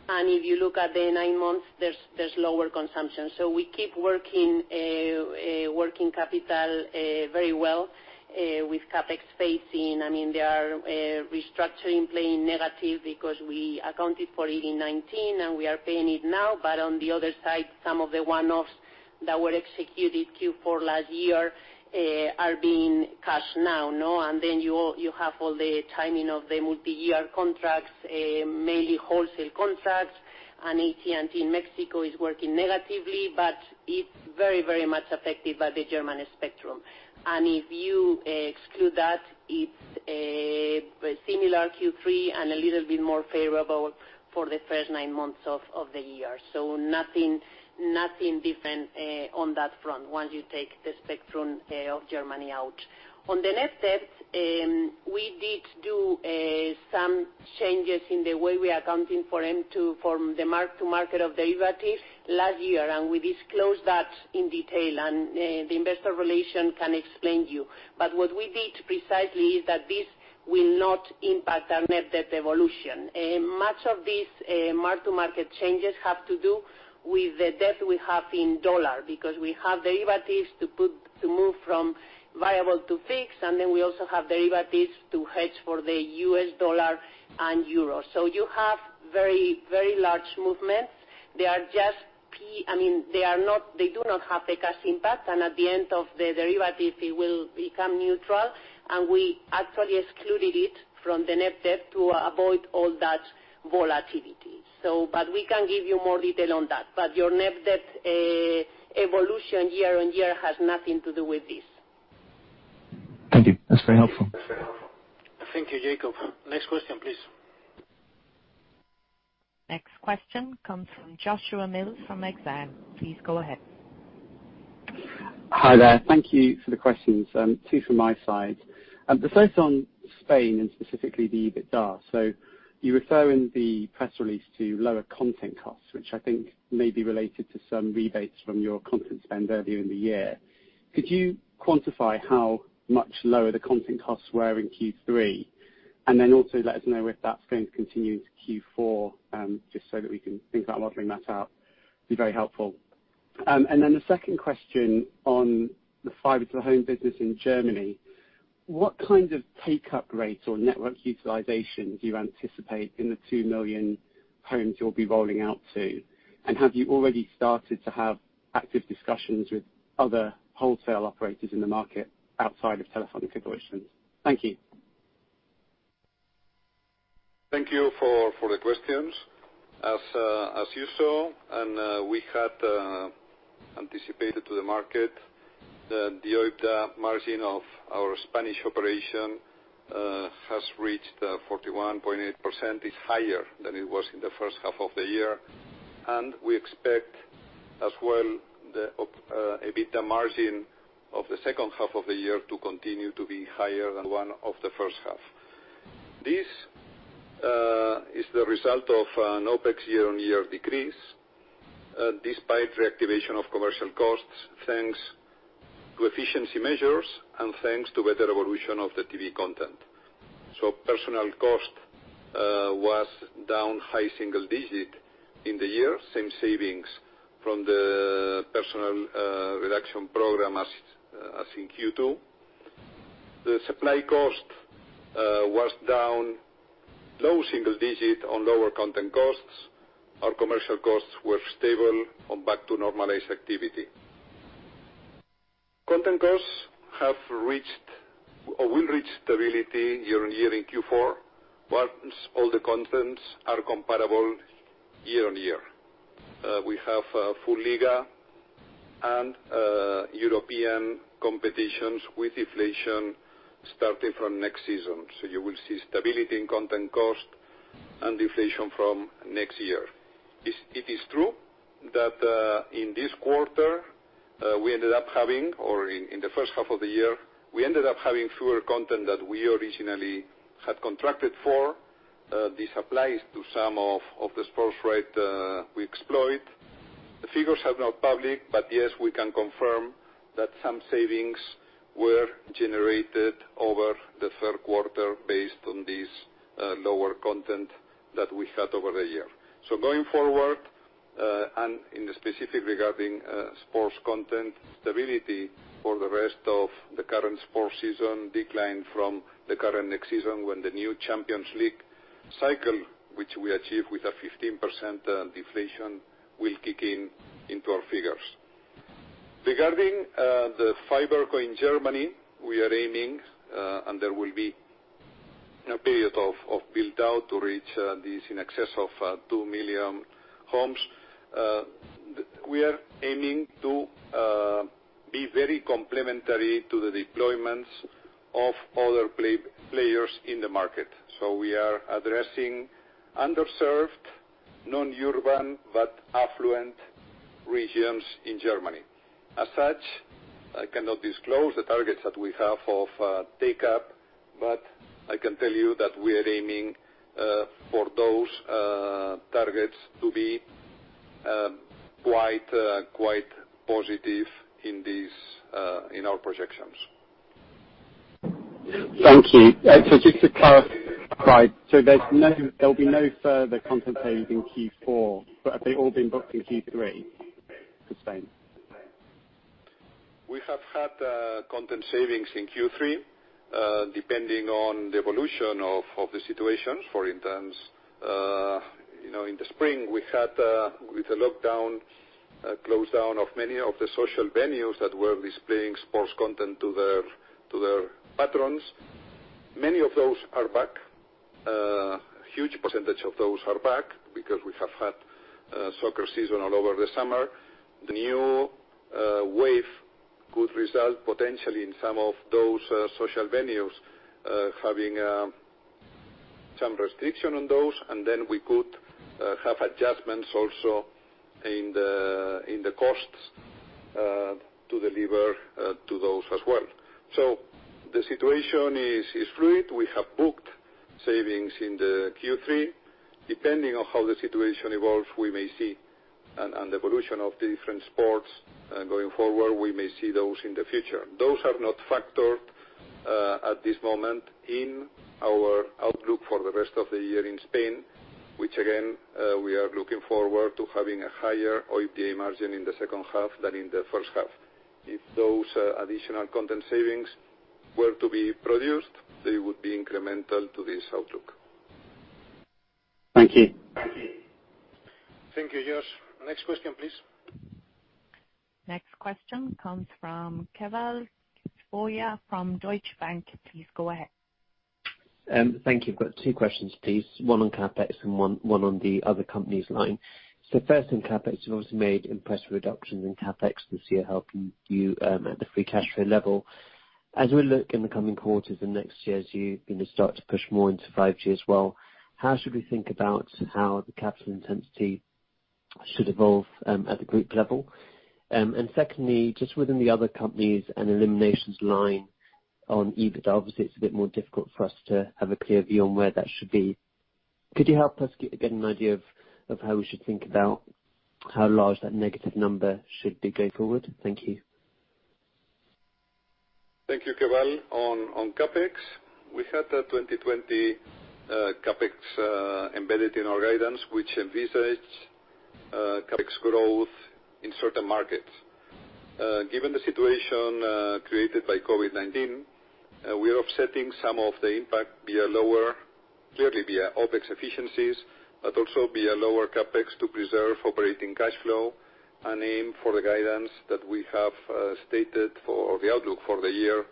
If you look at the nine months, there's lower consumption. We keep working capital very well with CapEx phasing. There are restructuring playing negative because we accounted for it in 2019, and we are paying it now. On the other side, some of the one-offs that were executed Q4 last year are being cashed now. Then you have all the timing of the multi-year contracts, mainly wholesale contracts, AT&T Mexico is working negatively, but it's very much affected by the German spectrum. If you exclude that, it's a similar Q3 and a little bit more favorable for the first nine months of the year. Nothing different on that front once you take the spectrum of Germany out. On the net debt, we did do some changes in the way we are accounting for MTM from the mark-to-market of derivatives last year, we disclosed that in detail, the investor relation can explain you. What we did precisely is that this will not impact our net debt evolution. Much of these mark-to-market changes have to do with the debt we have in dollar, because we have derivatives to move from variable to fixed, and then we also have derivatives to hedge for the U.S. dollar and euro. You have very large movements. They do not have a cash impact, and at the end of the derivative, it will become neutral. We actually excluded it from the net debt to avoid all that volatility. We can give you more detail on that. Your net debt evolution year-on-year has nothing to do with this. Thank you. That's very helpful. Thank you, Jakob. Next question, please. Next question comes from Joshua Mills from Exane. Please go ahead. Hi there. Thank you for the questions. Two from my side. The first on Spain, and specifically the EBITDA. You refer in the press release to lower content costs, which I think may be related to some rebates from your content spend earlier in the year. Could you quantify how much lower the content costs were in Q3? Also let us know if that's going to continue into Q4, just so that we can think about modeling that out. Be very helpful. The second question on the fiber to the home business in Germany. What kind of take-up rate or network utilization do you anticipate in the 2 million homes you'll be rolling out to? Have you already started to have active discussions with other wholesale operators in the market outside of Telefónica Deutschland? Thank you. Thank you for the questions. As you saw, and we had anticipated to the market, the OIBDA margin of our Spanish operation has reached 41.8%, is higher than it was in the first half of the year. We expect, as well, the OIBDA margin of the second half of the year to continue to be higher than one of the first half. This is the result of an OpEx year-on-year decrease, despite reactivation of commercial costs, thanks to efficiency measures and thanks to better evolution of the TV content. Personal cost was down high single digit in the year, same savings from the personal reduction program as in Q2. The supply cost was down low single digit on lower content costs. Our commercial costs were stable on back to normalized activity. Content costs will reach stability year-over-year in Q4, once all the contents are comparable year-over-year. We have full Liga and European competitions with inflation starting from next season. You will see stability in content cost and deflation from next year. It is true that in this quarter, we ended up having, or in the first half of the year, we ended up having fewer content than we originally had contracted for. This applies to some of the sports right we exploit. The figures are not public, but yes, we can confirm that some savings were generated over the third quarter based on this lower content that we had over the year. Going forward, and in the specific regarding sports content stability for the rest of the current sports season, decline from the current next season when the new Champions League Cycle, which we achieve with a 15% deflation, will kick in into our figures. Regarding the FiberCo in Germany, we are aiming, and there will be a period of build-out to reach this in excess of 2 million homes. We are aiming to be very complementary to the deployments of other players in the market. We are addressing underserved, non-urban, but affluent regions in Germany. As such, I cannot disclose the targets that we have of take-up, but I can tell you that we are aiming for those targets to be quite positive in our projections. Thank you. Just to clarify, there'll be no further content savings in Q4, but have they all been booked in Q3, in Spain? We have had content savings in Q3, depending on the evolution of the situation. In the spring with the lockdown, close down of many of the social venues that were displaying sports content to their patrons. Many of those are back. A huge percentage of those are back because we have had soccer season all over the summer. The new wave could result potentially in some of those social venues having some restriction on those, we could have adjustments also in the costs to deliver to those as well. The situation is fluid. We have booked savings in the Q3. Depending on how the situation evolves and the evolution of the different sports going forward, we may see those in the future. Those are not factored at this moment in our outlook for the rest of the year in Spain, which again, we are looking forward to having a higher OIBDA margin in the second half than in the first half. If those additional content savings were to be produced, they would be incremental to this outlook. Thank you. Thank you, Josh. Next question, please. Next question comes from Keval Khiroya from Deutsche Bank. Please go ahead. Thank you. I've got two questions, please. One on CapEx and one on the other company's line. First on CapEx, you've obviously made impressive reductions in CapEx this year, helping you at the free cash flow level. As we look in the coming quarters and next year, as you start to push more into 5G as well, how should we think about how the capital intensity should evolve at the group level? Secondly, just within the other companies and eliminations line on EBITDA, obviously it's a bit more difficult for us to have a clear view on where that should be. Could you help us get an idea of how we should think about how large that negative number should be going forward? Thank you. Thank you, Keval. On CapEx, we had a 2020 CapEx embedded in our guidance, which envisaged CapEx growth in certain markets. Given the situation created by COVID-19, we are offsetting some of the impact clearly via OpEx efficiencies, but also via lower CapEx to preserve operating cash flow and aim for the guidance that we have stated for the outlook for the year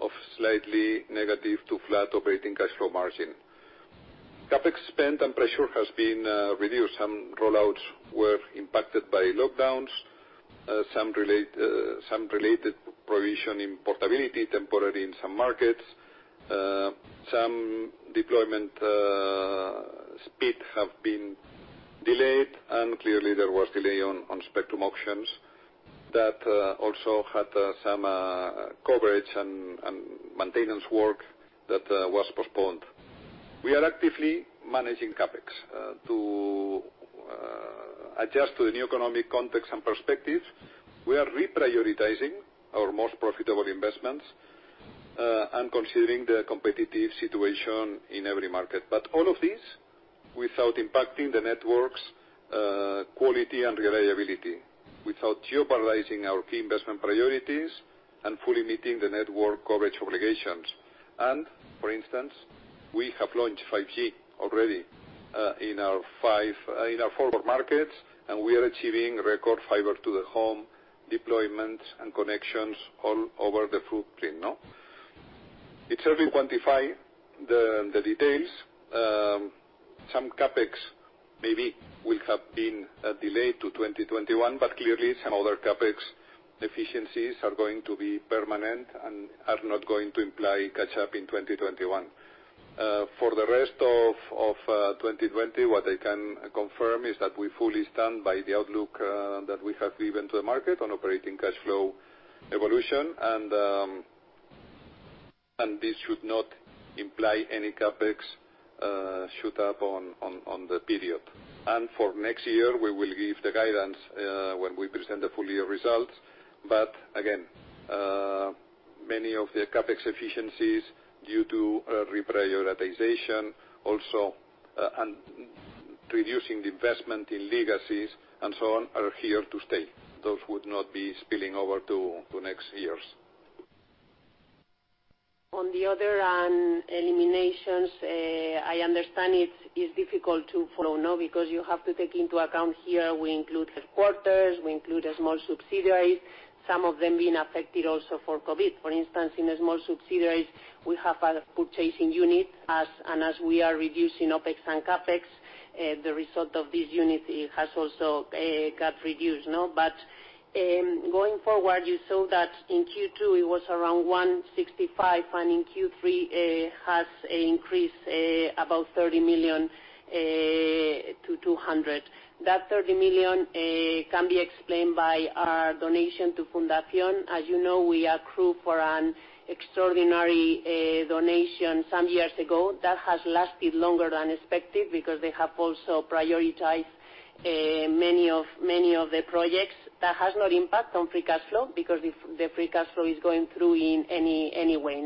of slightly negative to flat operating cash flow margin. CapEx spend and pressure has been reduced. Some rollouts were impacted by lockdowns, some related prohibition in portability temporarily in some markets. Some deployment speed have been delayed, and clearly there was delay on spectrum auctions that also had some coverage and maintenance work that was postponed. We are actively managing CapEx to adjust to the new economic context and perspectives. We are reprioritizing our most profitable investments and considering the competitive situation in every market. All of this without impacting the network's quality and reliability, without jeopardizing our key investment priorities and fully meeting the network coverage obligations. For instance, we have launched 5G already in our four markets, and we are achieving record fiber to the home deployments and connections all over the footprint. It's early to quantify the details. Some CapEx maybe will have been delayed to 2021, but clearly some other CapEx efficiencies are going to be permanent and are not going to imply catch-up in 2021. For the rest of 2020, what I can confirm is that we fully stand by the outlook that we have given to the market on operating cash flow evolution. This should not imply any CapEx shoot up on the period. For next year, we will give the guidance when we present the full year results. Again, many of the CapEx efficiencies due to reprioritization also and reducing the investment in legacies and so on are here to stay. Those would not be spilling over to next year. On the other hand, eliminations, I understand it is difficult to follow now because you have to take into account here we include headquarters, we include small subsidiaries, some of them being affected also for COVID-19. For instance, in the small subsidiaries, we have a purchasing unit, and as we are reducing OpEx and CapEx, the result of this unit has also got reduced. Going forward, you saw that in Q2 it was around 165, and in Q3 it has increased about 30 million to 200. That 30 million can be explained by our donation to Fundación. As you know, we accrue for an extraordinary donation some years ago. That has lasted longer than expected because they have also prioritized many of the projects. That has no impact on free cash flow, because the free cash flow is going through in any way.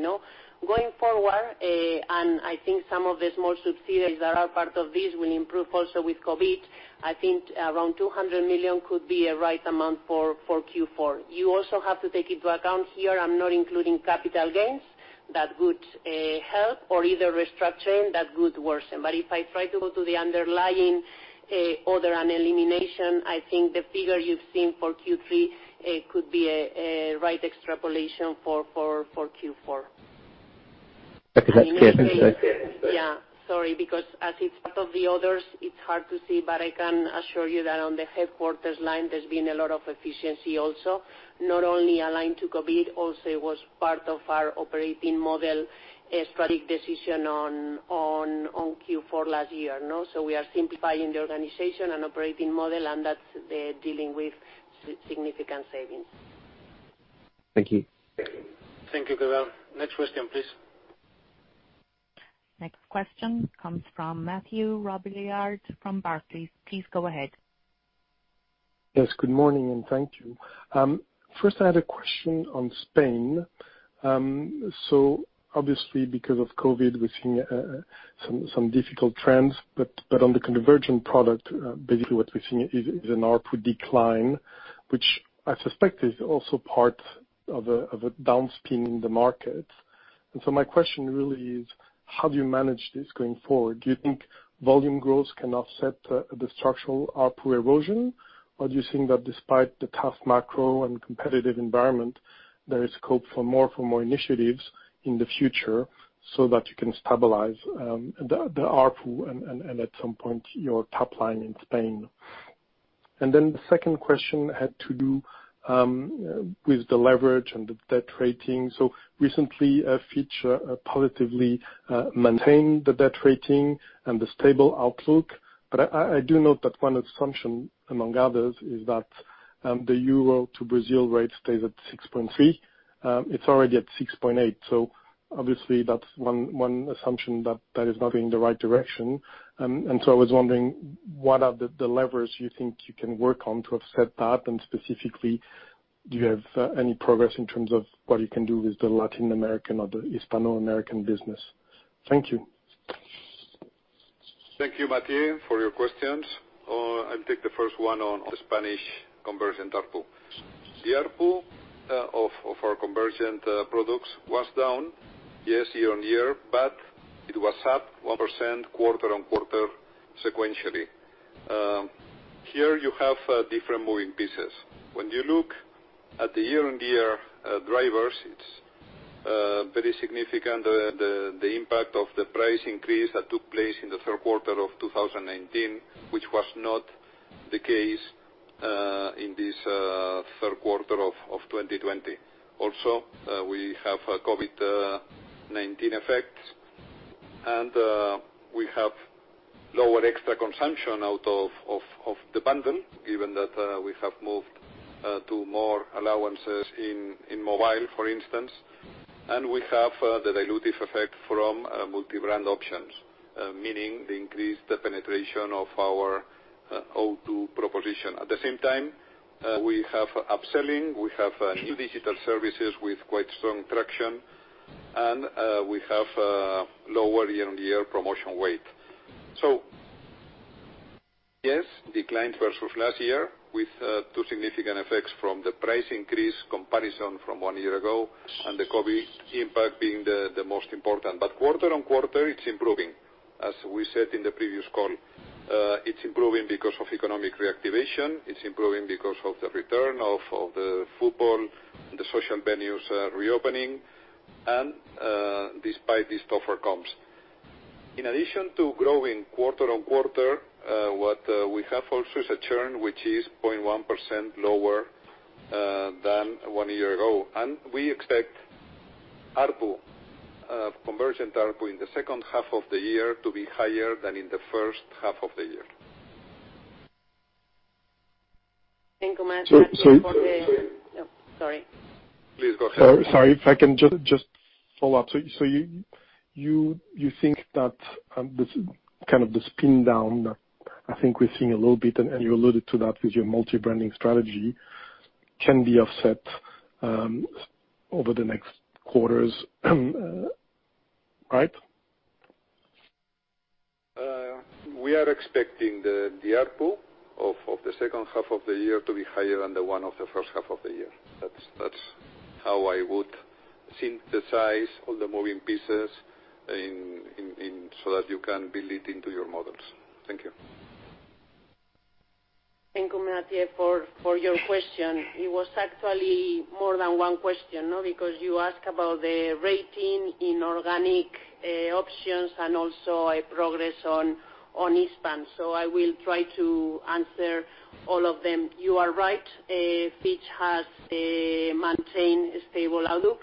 Going forward, I think some of the small subsidiaries that are part of this will improve also with COVID, I think around 200 million could be a right amount for Q4. You also have to take into account here, I'm not including capital gains that would help or either restructuring that would worsen. If I try to go to the underlying order and elimination, I think the figure you've seen for Q3 could be a right extrapolation for Q4. Okay. Yeah. Sorry, because as it's part of the others, it's hard to see, but I can assure you that on the headquarters line, there's been a lot of efficiency also, not only aligned to COVID-19, also it was part of our operating model strategic decision on Q4 last year. We are simplifying the organization and operating model, and that's dealing with significant savings. Thank you. Thank you, Keval. Next question, please. Next question comes from Mathieu Robilliard from Barclays. Please go ahead. Yes, good morning, thank you. First I had a question on Spain. Obviously because of COVID, we're seeing some difficult trends, but on the convergent product, basically what we're seeing is an ARPU decline, which I suspect is also part of a downspin in the market. My question really is, how do you manage this going forward? Do you think volume growth can offset the structural ARPU erosion? Do you think that despite the tough macro and competitive environment, there is scope for more initiatives in the future so that you can stabilize the ARPU and at some point, your top line in Spain? The second question had to do with the leverage and the debt rating. Recently, Fitch positively maintained the debt rating and the stable outlook, but I do note that one assumption, among others, is that the euro to real rate stays at 6.3. It is already at 6.8. Obviously that is one assumption that is not going in the right direction. I was wondering, what are the levers you think you can work on to offset that, and specifically, do you have any progress in terms of what you can do with the Latin American or the Hispano-American business? Thank you. Thank you, Mathieu, for your questions. I'll take the first one on the Spanish convergent ARPU. The ARPU of our convergent products was down, yes, year-on-year, but it was up 1% quarter-on-quarter sequentially. Here you have different moving pieces. When you look at the year-on-year drivers, it's very significant the impact of the price increase that took place in the third quarter of 2019, which was not the case in this third quarter of 2020. Also, we have COVID-19 effects, and we have lower extra consumption out of the bundle, given that we have moved to more allowances in mobile, for instance. We have the dilutive effect from multi-brand options, meaning the increased penetration of our O2 proposition. At the same time, we have upselling, we have new digital services with quite strong traction, and we have lower year-on-year promotion weight. Yes, decline versus last year with two significant effects from the price increase comparison from one year ago and the COVID impact being the most important. Quarter-on-quarter, it's improving. As we said in the previous call, it's improving because of economic reactivation, it's improving because of the return of the football and the social venues reopening, and despite these tougher comps. In addition to growing quarter-on-quarter, what we have also is a churn which is 0.1% lower than one year ago, and we expect convergent ARPU in the second half of the year to be higher than in the first half of the year. Thank you, Mathieu. Oh, sorry. Please go ahead. Sorry. If I can just follow up. You think that this spin down that I think we're seeing a little bit, and you alluded to that with your multi-branding strategy, can be offset over the next quarters, right? We are expecting the ARPU of the second half of the year to be higher than the one of the first half of the year. That's how I would synthesize all the moving pieces so that you can build it into your models. Thank you. Thank you, Mathieu, for your question. It was actually more than one question, because you asked about the rating in organic options and also progress on Hispam. I will try to answer all of them. You are right. Fitch has maintained a stable outlook.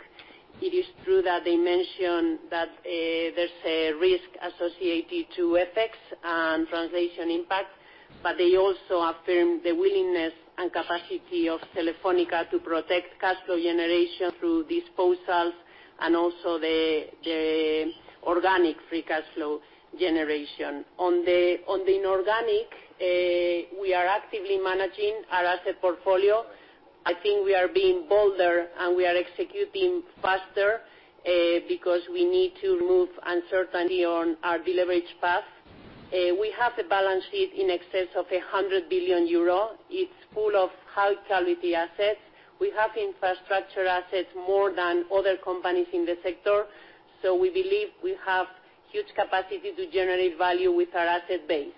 It is true that they mentioned that there's a risk associated to FX and translation impact, but they also affirmed the willingness and capacity of Telefónica to protect cash flow generation through disposals and also the organic free cash flow generation. On the inorganic, we are actively managing our asset portfolio. I think we are being bolder, and we are executing faster, because we need to remove uncertainty on our deleverage path. We have a balance sheet in excess of 100 billion euro. It's full of high-quality assets. We have infrastructure assets, more than other companies in the sector, so we believe we have huge capacity to generate value with our asset base.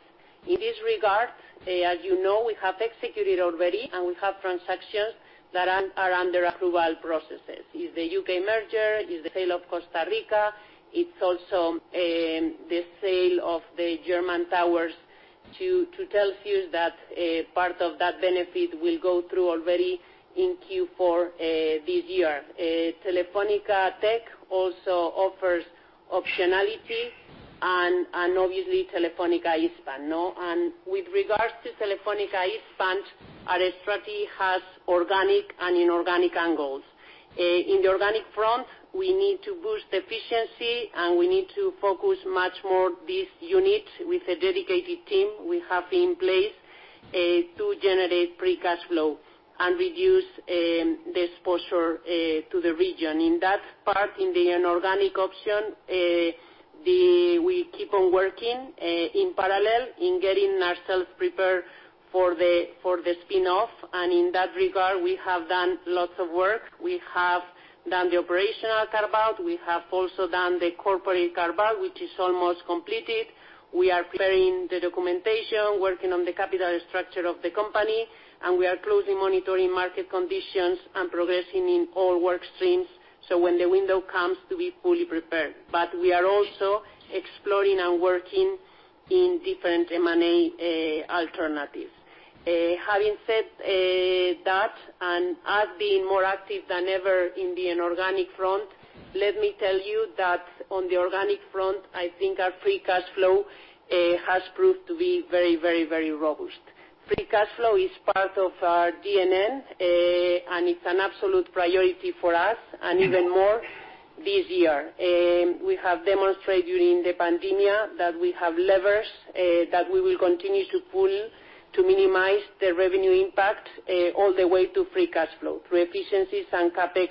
In this regard, as you know, we have executed already, and we have transactions that are under approval processes. It's the U.K. merger, it's the sale of Costa Rica. It's also the sale of the German towers to Telxius that part of that benefit will go through already in Q4 this year. Telefónica Tech also offers optionality, and obviously, Telefónica Hispam. With regards to Telefónica Hispam, our strategy has organic and inorganic angles. In the organic front, we need to boost efficiency, and we need to focus much more this unit with a dedicated team we have in place to generate free cash flow and reduce the exposure to the region. In that part, in the inorganic option, we keep on working in parallel in getting ourselves prepared for the spin-off, and in that regard, we have done lots of work. We have done the operational carve-out. We have also done the corporate carve-out, which is almost completed. We are preparing the documentation, working on the capital structure of the company, and we are closely monitoring market conditions and progressing in all work streams, so when the window comes to be fully prepared. We are also exploring and working in different M&A alternatives. Having said that, and us being more active than ever in the inorganic front, let me tell you that on the organic front, I think our free cash flow has proved to be very, very, very robust. Free cash flow is part of our DNA, and it's an absolute priority for us, and even more this year. We have demonstrated during the pandemic that we have levers that we will continue to pull to minimize the revenue impact all the way to free cash flow through efficiencies and CapEx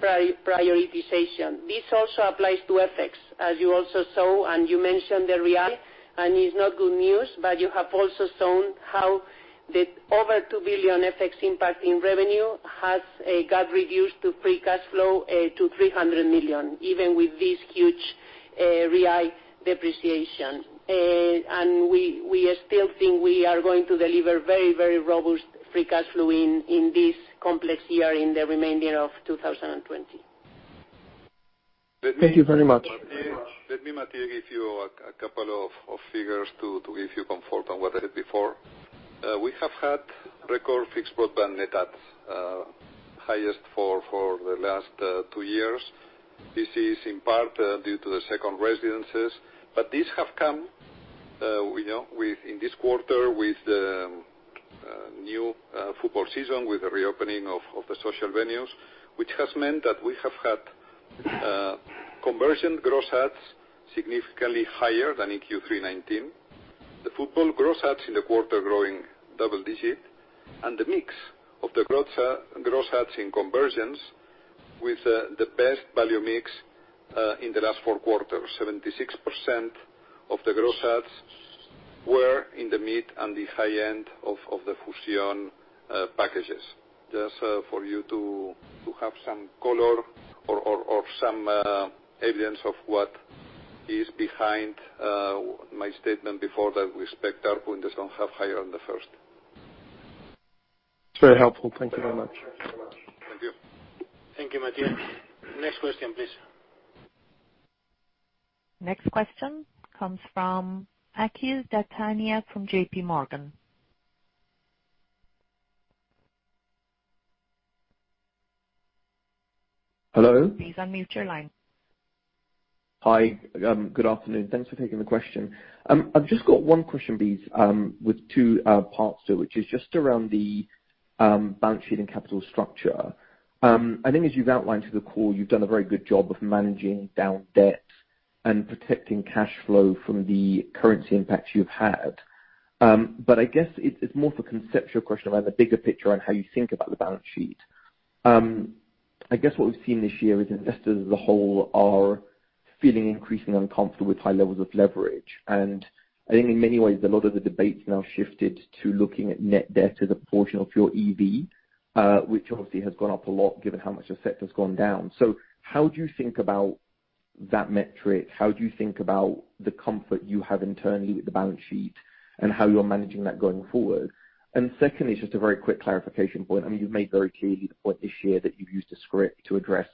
prioritization. This also applies to FX, as you also saw, and you mentioned the real, and it's not good news, but you have also shown how the over 2 billion FX impact in revenue has got reduced to free cash flow to 300 million, even with this huge real depreciation. We still think we are going to deliver very, very robust free cash flow in this complex year in the remainder of 2020. Thank you very much. Let me, Mathieu, give you a couple of figures to give you comfort on what I said before. We have had record fixed broadband net adds, highest for the last two years. This is in part due to the second residences. These have come in this quarter with the new football season, with the reopening of the social venues, which has meant that we have had convergent gross adds significantly higher than in Q3 2019. The football gross adds in the quarter growing double digit, the mix of the gross adds in conversions with the best value mix in the last four quarters, 76% of the gross adds were in the mid and the high end of the Fusion packages. Just for you to have some color or some evidence of what is behind my statement before that we expect ARPU in the second half higher than the first. It is very helpful. Thank you very much. Thank you. Thank you, Mathieu. Next question, please. Next question comes from Akhil Dattani from JPMorgan. Hello? Please unmute your line. Hi. Good afternoon. Thanks for taking the question. I've just got one question, please, with two parts to it, which is just around the balance sheet and capital structure. I think as you've outlined through the call, you've done a very good job of managing down debts and protecting cash flow from the currency impacts you've had. I guess it's more of a conceptual question around the bigger picture and how you think about the balance sheet. I guess what we've seen this year is investors as a whole are feeling increasingly uncomfortable with high levels of leverage. I think in many ways, a lot of the debate's now shifted to looking at net debt as a portion of your EV, which obviously has gone up a lot given how much FX has gone down. How do you think about that metric? How do you think about the comfort you have internally with the balance sheet and how you're managing that going forward? Secondly, just a very quick clarification point. You've made very clearly the point this year that you've used a scrip to address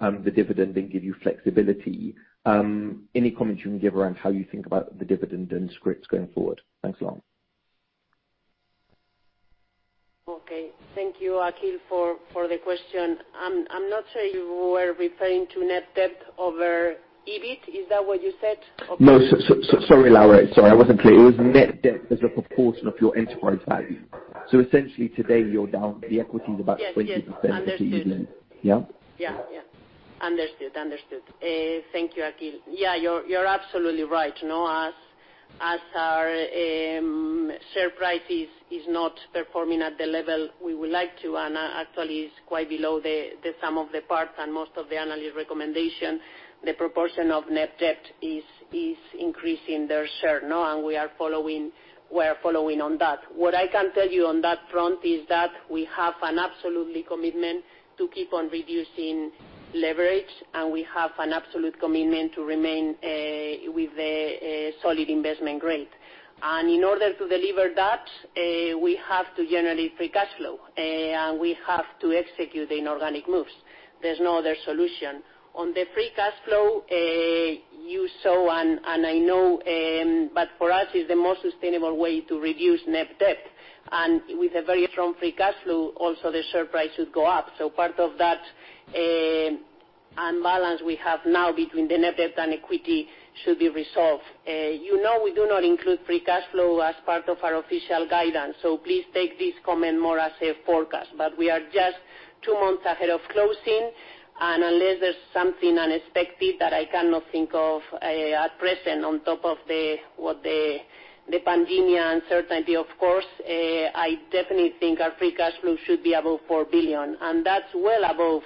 the dividend and give you flexibility. Any comments you can give around how you think about the dividend and scrips going forward? Thanks a lot. Thank you, Akhil, for the question. I'm not sure you were referring to net debt over EBIT. Is that what you said? No. Sorry, Laura. Sorry, I wasn't clear. It was net debt as a proportion of your enterprise value. Essentially today, you're down, the equity is about 20%. Yes. Understood. Yeah? Yeah. Understood. Thank you, Akhil. Yeah, you're absolutely right. As our share price is not performing at the level we would like to, and actually is quite below the sum of the parts and most of the analyst recommendation, the proportion of net debt is increasing there sure. We are following on that. What I can tell you on that front is that we have an absolutely commitment to keep on reducing leverage, and we have an absolute commitment to remain with a solid investment grade. In order to deliver that, we have to generate free cash flow, and we have to execute in organic moves. There's no other solution. On the free cash flow, you saw and I know, but for us, it's the most sustainable way to reduce net debt. With a very strong free cash flow, also the share price should go up. Part of that imbalance we have now between the net debt and equity should be resolved. You know we do not include free cash flow as part of our official guidance, please take this comment more as a forecast. We are just two months ahead of closing, unless there's something unexpected that I cannot think of at present on top of the pandemic uncertainty, of course, I definitely think our free cash flow should be above 4 billion. That's well above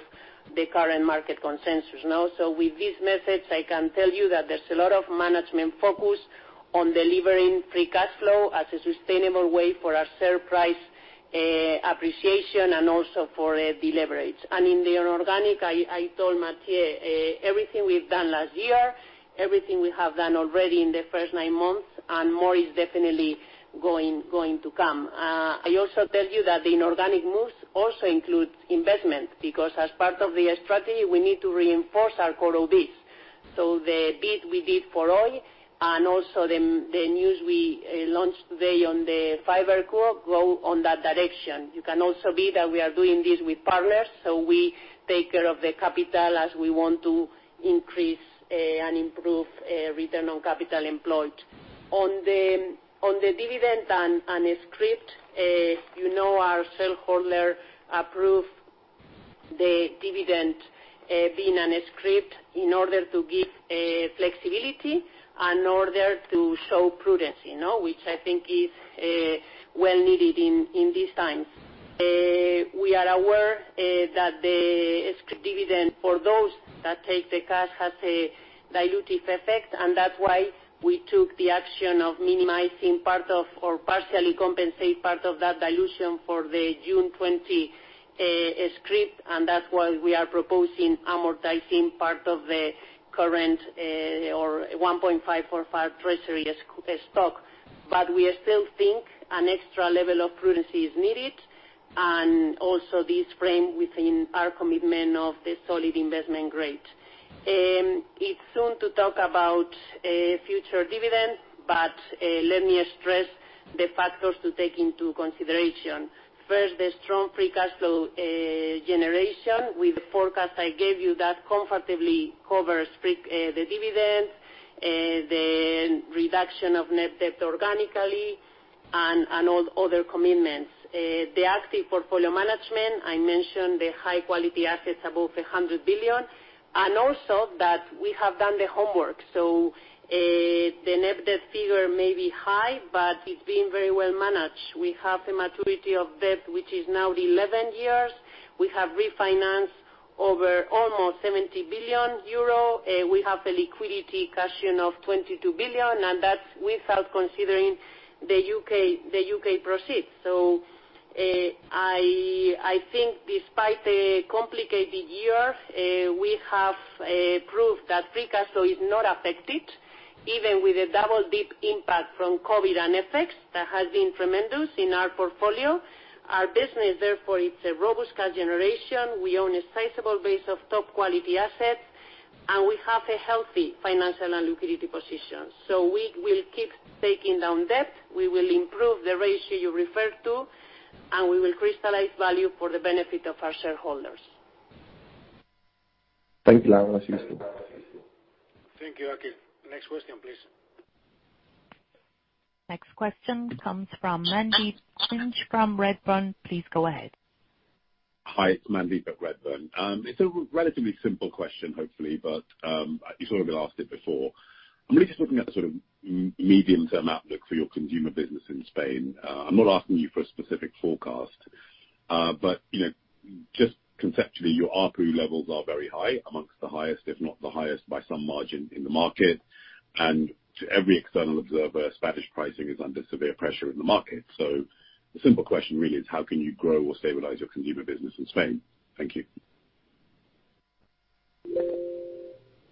the current market consensus. With this message, I can tell you that there's a lot of management focus on delivering free cash flow as a sustainable way for our share price appreciation and also for the leverage. In the inorganic, I told Mathieu, everything we've done last year, everything we have done already in the first nine months, and more is definitely going to come. I also tell you that the inorganic moves also include investment, because as part of the strategy, we need to reinforce our core OpCos. The bid we did for Oi, and also the news we launched today on the FiberCo go on that direction. You can also see that we are doing this with partners, so we take care of the capital as we want to increase and improve return on capital employed. On the dividend and scrip, you know our shareholder approved the dividend being on a scrip in order to give flexibility and in order to show prudence, which I think is well needed in these times. We are aware that the scrip dividend, for those that take the cash, has a dilutive effect, and that's why we took the action of minimizing part of, or partially compensate part of that dilution for the June 20 scrip, and that's why we are proposing amortizing part of the current, or 1.545 treasury stock. We still think an extra level of prudence is needed, and also this framed within our commitment of the solid investment grade. It's soon to talk about a future dividend, but let me stress the factors to take into consideration. First, the strong free cash flow generation. With the forecast I gave you, that comfortably covers the dividend, the reduction of net debt organically, and all other commitments. The active portfolio management, I mentioned the high quality assets, above 100 billion, and also that we have done the homework. The net debt figure may be high, but it's being very well managed. We have a maturity of debt, which is now 11 years. We have refinanced over almost 70 billion euro. We have a liquidity cushion of 22 billion, and that's without considering the U.K. proceeds. I think despite a complicated year, we have proved that free cash flow is not affected, even with a double-dip impact from COVID and FX that has been tremendous in our portfolio. Our business, therefore, it's a robust cash generation. We own a sizable base of top quality assets, and we have a healthy financial and liquidity position. We will keep taking down debt, we will improve the ratio you referred to, and we will crystallize value for the benefit of our shareholders. Thank you, Laura, as usual. Thank you, Akhil. Next question, please. Next question comes from Mandeep Singh from Redburn. Please go ahead. Hi, it's Mandeep at Redburn. It's a relatively simple question, hopefully, but you've sort of been asked it before. I'm really just looking at the sort of medium-term outlook for your consumer business in Spain. I'm not asking you for a specific forecast. Just conceptually, your ARPU levels are very high, amongst the highest, if not the highest by some margin in the market. To every external observer, Spanish pricing is under severe pressure in the market. The simple question really is how can you grow or stabilize your consumer business in Spain? Thank you.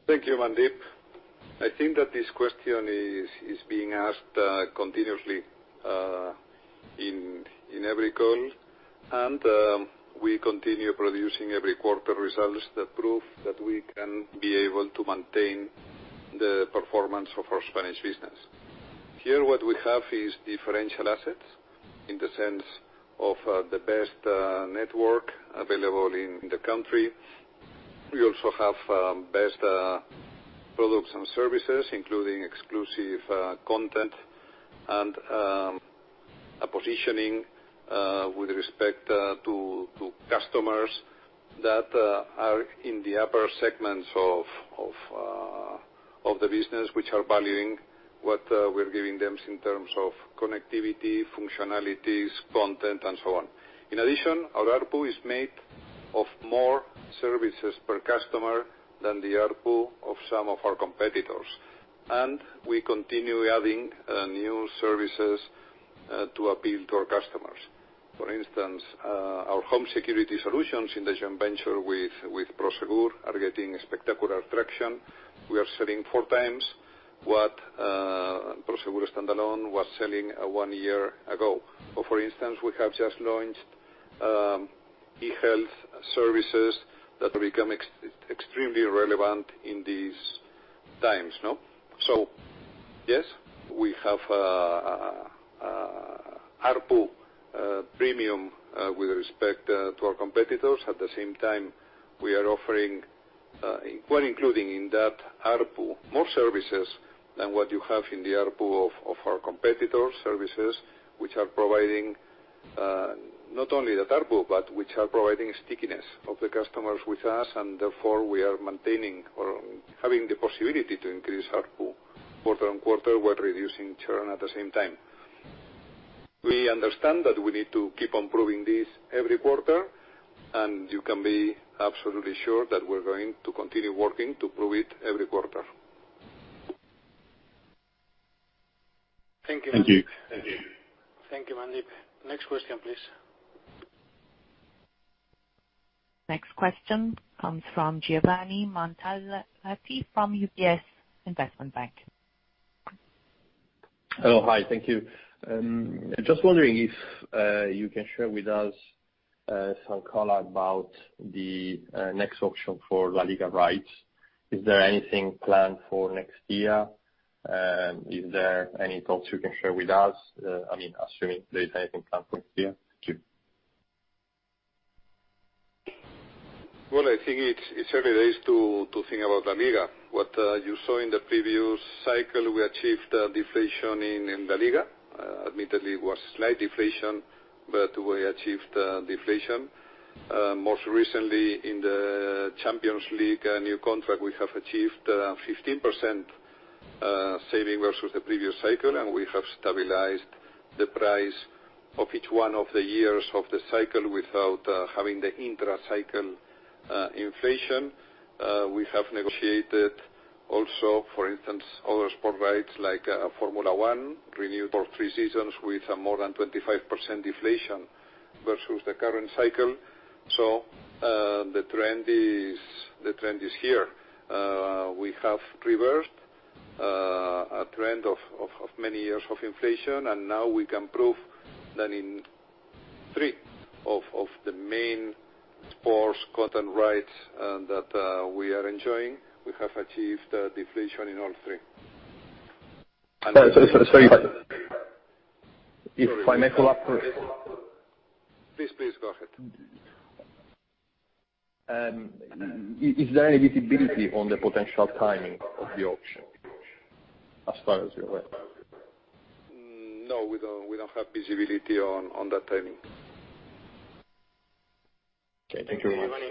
Thank you, Mandeep. I think that this question is being asked continuously in every call. We continue producing every quarter results that prove that we can be able to maintain the performance of our Spanish business. Here, what we have is differential assets in the sense of the best network available in the country. We also have best products and services, including exclusive content and a positioning with respect to customers that are in the upper segments of the business, which are valuing what we're giving them in terms of connectivity, functionalities, content, and so on. In addition, our ARPU is made of more services per customer than the ARPU of some of our competitors. We continue adding new services to appeal to our customers. For instance, our home security solutions in the joint venture with Prosegur are getting spectacular traction. We are selling four times what Prosegur standalone was selling one year ago. For instance, we have just launched e-health services that become extremely relevant in these times. Yes, we have ARPU premium with respect to our competitors. At the same time, we are offering, well, including in that ARPU, more services than what you have in the ARPU of our competitors, services which are providing not only the ARPU, but which are providing stickiness of the customers with us. Therefore, we are maintaining or having the possibility to increase ARPU quarter-on-quarter while reducing churn at the same time. We understand that we need to keep on proving this every quarter, and you can be absolutely sure that we're going to continue working to prove it every quarter. Thank you. Thank you. Thank you, Mandeep. Next question, please. Next question comes from Giovanni Montalti from UBS Investment Bank. Hello. Hi, thank you. Just wondering if you can share with us some color about the next auction for LaLiga rights. Is there anything planned for next year? Is there any thoughts you can share with us? Assuming there is anything planned for next year. Thank you. Well, I think it's early days to think about LaLiga. What you saw in the previous cycle, we achieved a deflation in LaLiga. Admittedly, it was slight deflation, but we achieved deflation. Most recently in the Champions League new contract, we have achieved 15% saving versus the previous cycle, and we have stabilized the price of each one of the years of the cycle without having the intracycle inflation. We have negotiated also, for instance, other sport rights like Formula One, renewed for three seasons with a more than 25% deflation versus the current cycle. The trend is here. We have reversed a trend of many years of inflation, and now we can prove that in three of the main sports content rights that we are enjoying, we have achieved a deflation in all three. Sorry. If I may follow up. Please, go ahead. Is there any visibility on the potential timing of the auction as far as you're aware? No, we don't have visibility on that timing. Okay. Thank you very much.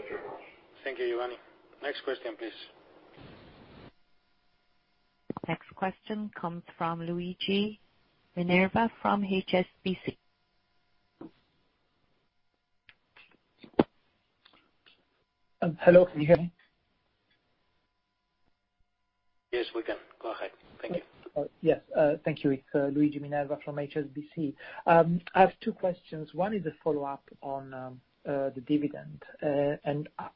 Thank you, Giovanni. Next question, please. Next question comes from Luigi Minerva from HSBC. Hello, can you hear me? Yes, we can. Go ahead. Thank you. Yes. Thank you. It's Luigi Minerva from HSBC. I have two questions. One is a follow-up on the dividend.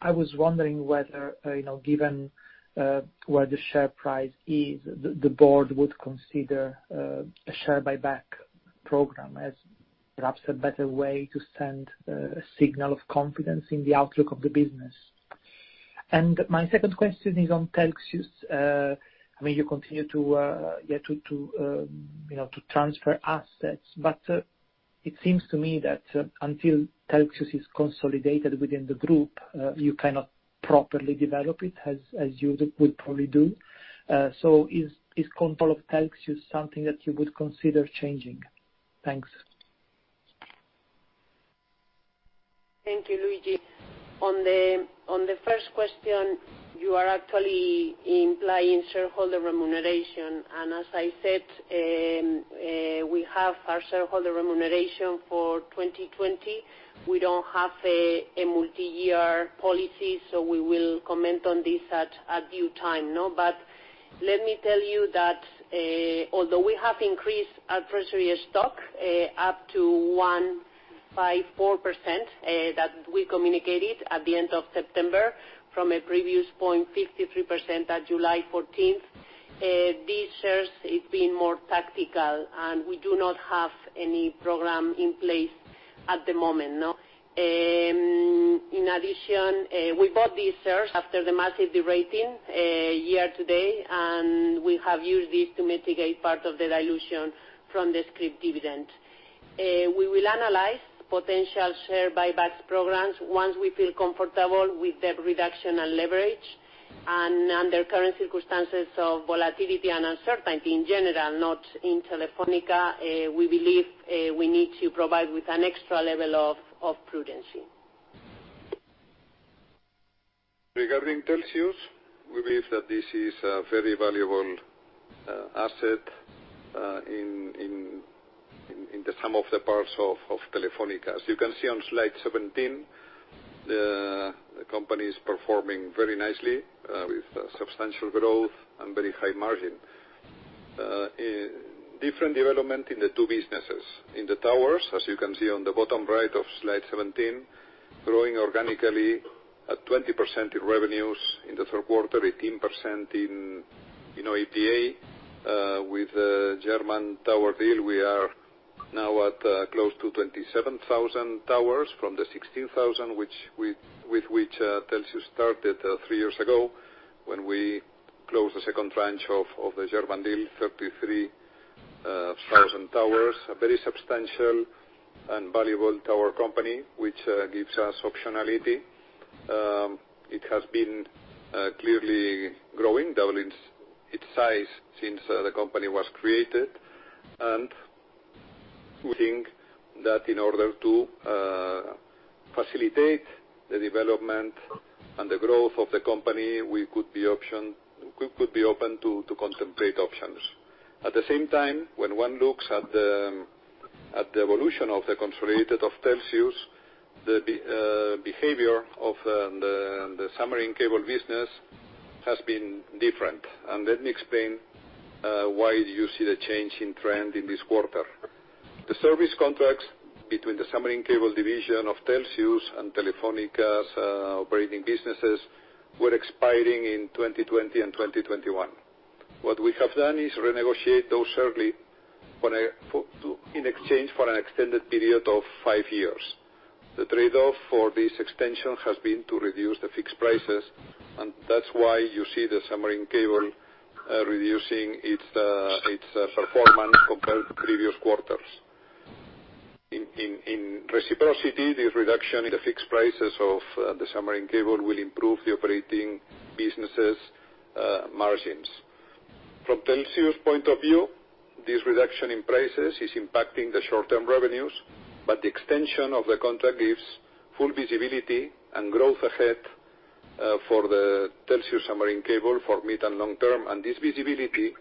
I was wondering whether given where the share price is, the board would consider a share buyback program as perhaps a better way to send a signal of confidence in the outlook of the business. My second question is on Telxius. You continue to transfer assets, it seems to me that until Telxius is consolidated within the group, you cannot properly develop it as you would probably do. Is control of Telxius something that you would consider changing? Thanks. Thank you, Luigi. On the first question, you are actually implying shareholder remuneration. As I said, we have our shareholder remuneration for 2020. We don't have a multi-year policy, so we will comment on this at due time. Let me tell you that although we have increased our treasury stock up to 1.54%, that we communicated at the end of September from a previous 0.53% at July 14th, these shares, it's been more tactical, and we do not have any program in place at the moment. In addition, we bought these shares after the massive de-rating a year today, and we have used this to mitigate part of the dilution from the scrip dividend. We will analyze potential share buybacks programs once we feel comfortable with debt reduction and leverage. Under current circumstances of volatility and uncertainty in general, not in Telefónica, we believe we need to provide with an extra level of prudency. Regarding Telxius, we believe that this is a very valuable asset in the sum of the parts of Telefónica. As you can see on slide 17, the company is performing very nicely with substantial growth and very high margin. Different development in the two businesses. In the towers, as you can see on the bottom right of slide 17, growing organically at 20% in revenues in the third quarter, 18% in EBITDA. With the German tower deal, we are now at close to 27,000 towers from the 16,000, with which Telxius started three years ago, when we closed the second tranche of the German deal, 33,000 towers. A very substantial and valuable tower company, which gives us optionality. It has been clearly growing double its size since the company was created. We think that in order to facilitate the development and the growth of the company, we could be open to contemplate options. At the same time, when one looks at the evolution of the consolidated of Telxius, the behavior of the submarine cable business has been different. Let me explain why you see the change in trend in this quarter. The service contracts between the submarine cable division of Telxius and Telefónica's operating businesses were expiring in 2020 and 2021. What we have done is renegotiate those early in exchange for an extended period of five years. The trade-off for this extension has been to reduce the fixed prices. That's why you see the submarine cable reducing its performance compared to previous quarters. In reciprocity, this reduction in the fixed prices of the submarine cable will improve the operating businesses' margins. From Telxius' point of view, this reduction in prices is impacting the short-term revenues, but the extension of the contract gives full visibility and growth ahead for the Telxius submarine cable for mid and long term. This visibility,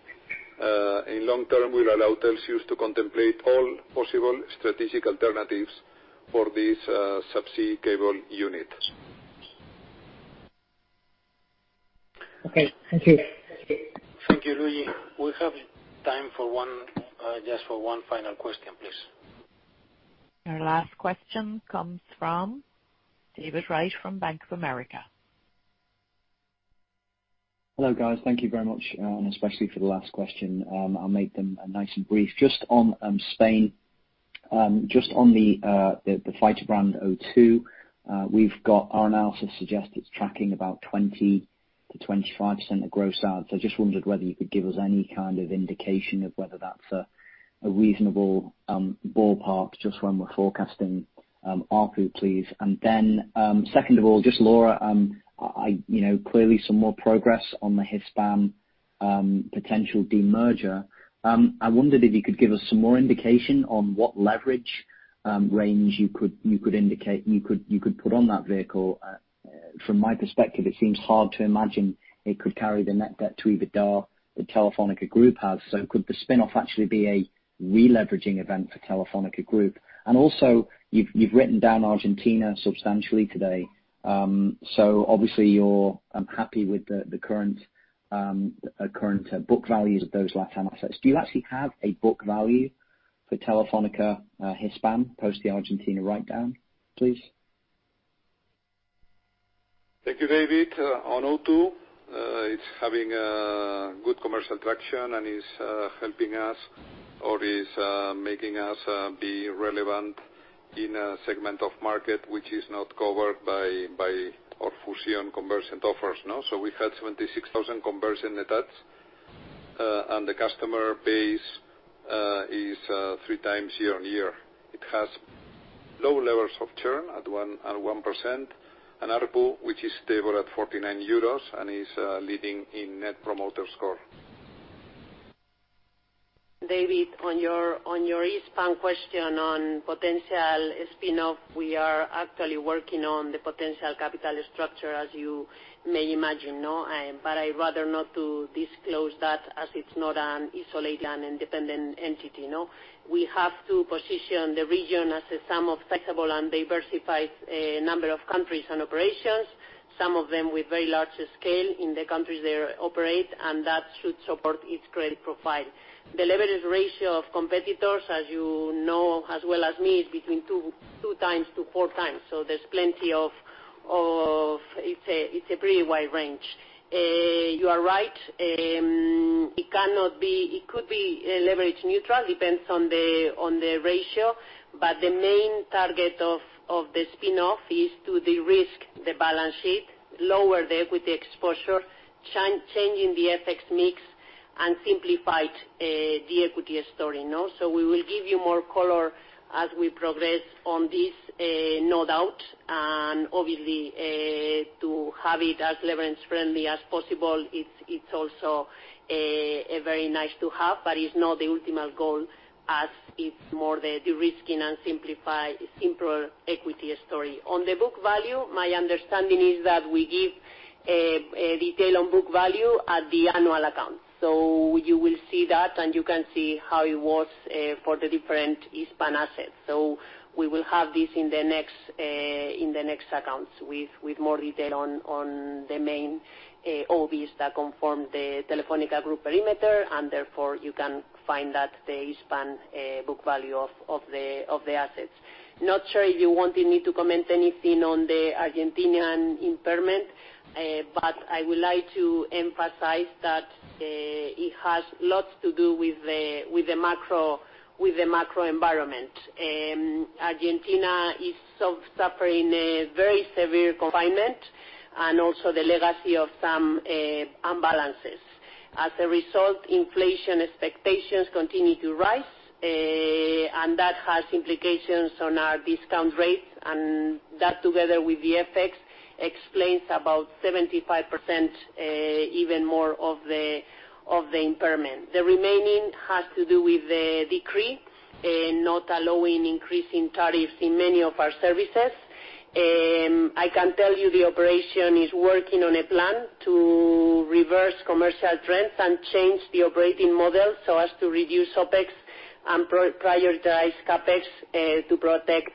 in long term, will allow Telxius to contemplate all possible strategic alternatives for these sub-sea cable units. Okay, thank you. Thank you, Luigi. We have time just for one final question, please. Our last question comes from David Wright from Bank of America. Hello, guys. Thank you very much, and especially for the last question. I will make them nice and brief. Just on Spain, just on the fiber brand O2, our analysis suggests it is tracking about 20%-25% of gross adds. I just wondered whether you could give us any kind of indication of whether that is a reasonable ballpark just when we are forecasting ARPU, please. Second of all, just Laura, clearly some more progress on the Hispam potential de-merger. I wondered if you could give us some more indication on what leverage range you could put on that vehicle. From my perspective, it seems hard to imagine it could carry the net debt to EBITDA that Telefónica Group has. Could the spin-off actually be a re-leveraging event for Telefónica Group? You've written down Argentina substantially today, so obviously you're happy with the current book values of those LATAM assets. Do you actually have a book value for Telefónica Hispam post the Argentina writedown, please? Thank you, David. On O2, it's having good commercial traction, and is helping us or is making us be relevant in a segment of market which is not covered by our Fusion convergent offers. We've had 26,000 conversion attached, and the customer base is 3x year-on-year. It has low levels of churn at 1%, and ARPU, which is stable at 49 euros and is leading in Net Promoter Score. David, on your Hispam question on potential spin-off, we are actually working on the potential capital structure, as you may imagine. I'd rather not to disclose that, as it's not an isolated and independent entity. We have to position the region as a sum of flexible and diversified number of countries and operations, some of them with very large scale in the countries they operate, and that should support its credit profile. The leverage ratio of competitors, as you know as well as me, is between 2x-4x. It's a pretty wide range. You are right. It could be leverage neutral, depends on the ratio. The main target of the spin-off is to de-risk the balance sheet, lower the equity exposure, changing the FX mix, and simplified the equity story. We will give you more color as we progress on this, no doubt. Obviously, to have it as leverage friendly as possible, it's also very nice to have, but it's not the ultimate goal, as it's more the de-risking and simpler equity story. On the book value, my understanding is that we give a detail on book value at the annual account. You will see that, and you can see how it was for the different Hispam assets. We will have this in the next accounts with more detail on the main OpCos that conform the Telefónica Group perimeter, and therefore, you can find that the Hispam book value of the assets. Not sure if you wanted me to comment anything on the Argentinian impairment, I would like to emphasize that it has lots to do with the macro environment. Argentina is suffering a very severe confinement, and also the legacy of some imbalances. As a result, inflation expectations continue to rise, and that has implications on our discount rates, and that, together with the FX, explains about 75%, even more of the impairment. The remaining has to do with the decree, not allowing increasing tariffs in many of our services. I can tell you the operation is working on a plan to reverse commercial trends and change the operating model so as to reduce OpEx and prioritize CapEx to protect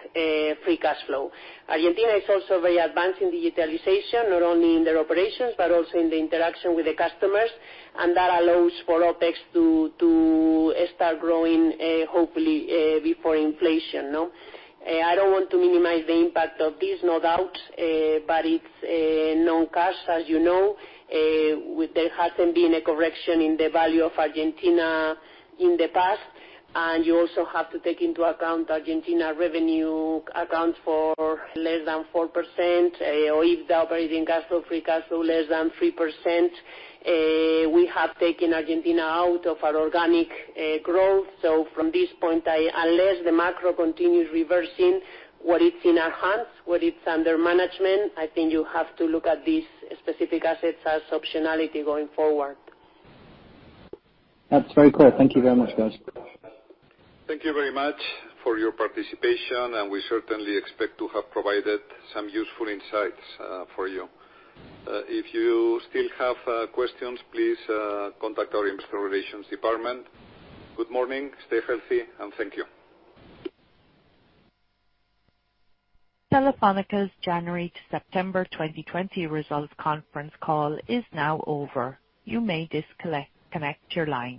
free cash flow. Argentina is also very advanced in digitalization, not only in their operations, but also in the interaction with the customers, and that allows for OpEx to start growing, hopefully, before inflation. I don't want to minimize the impact of this, no doubt, but it's non-cash, as you know. There hasn't been a correction in the value of Argentina in the past, and you also have to take into account Argentina revenue accounts for less than 4%, or OIBDA operating cash flow, free cash flow, less than 3%. We have taken Argentina out of our organic growth. From this point, unless the macro continues reversing what is in our hands, what is under management, I think you have to look at these specific assets as optionality going forward. That's very clear. Thank you very much, guys. Thank you very much for your participation, and we certainly expect to have provided some useful insights for you. If you still have questions, please contact our investor relations department. Good morning, stay healthy, and thank you. Telefónica's January to September 2020 results conference call is now over. You may disconnect your line.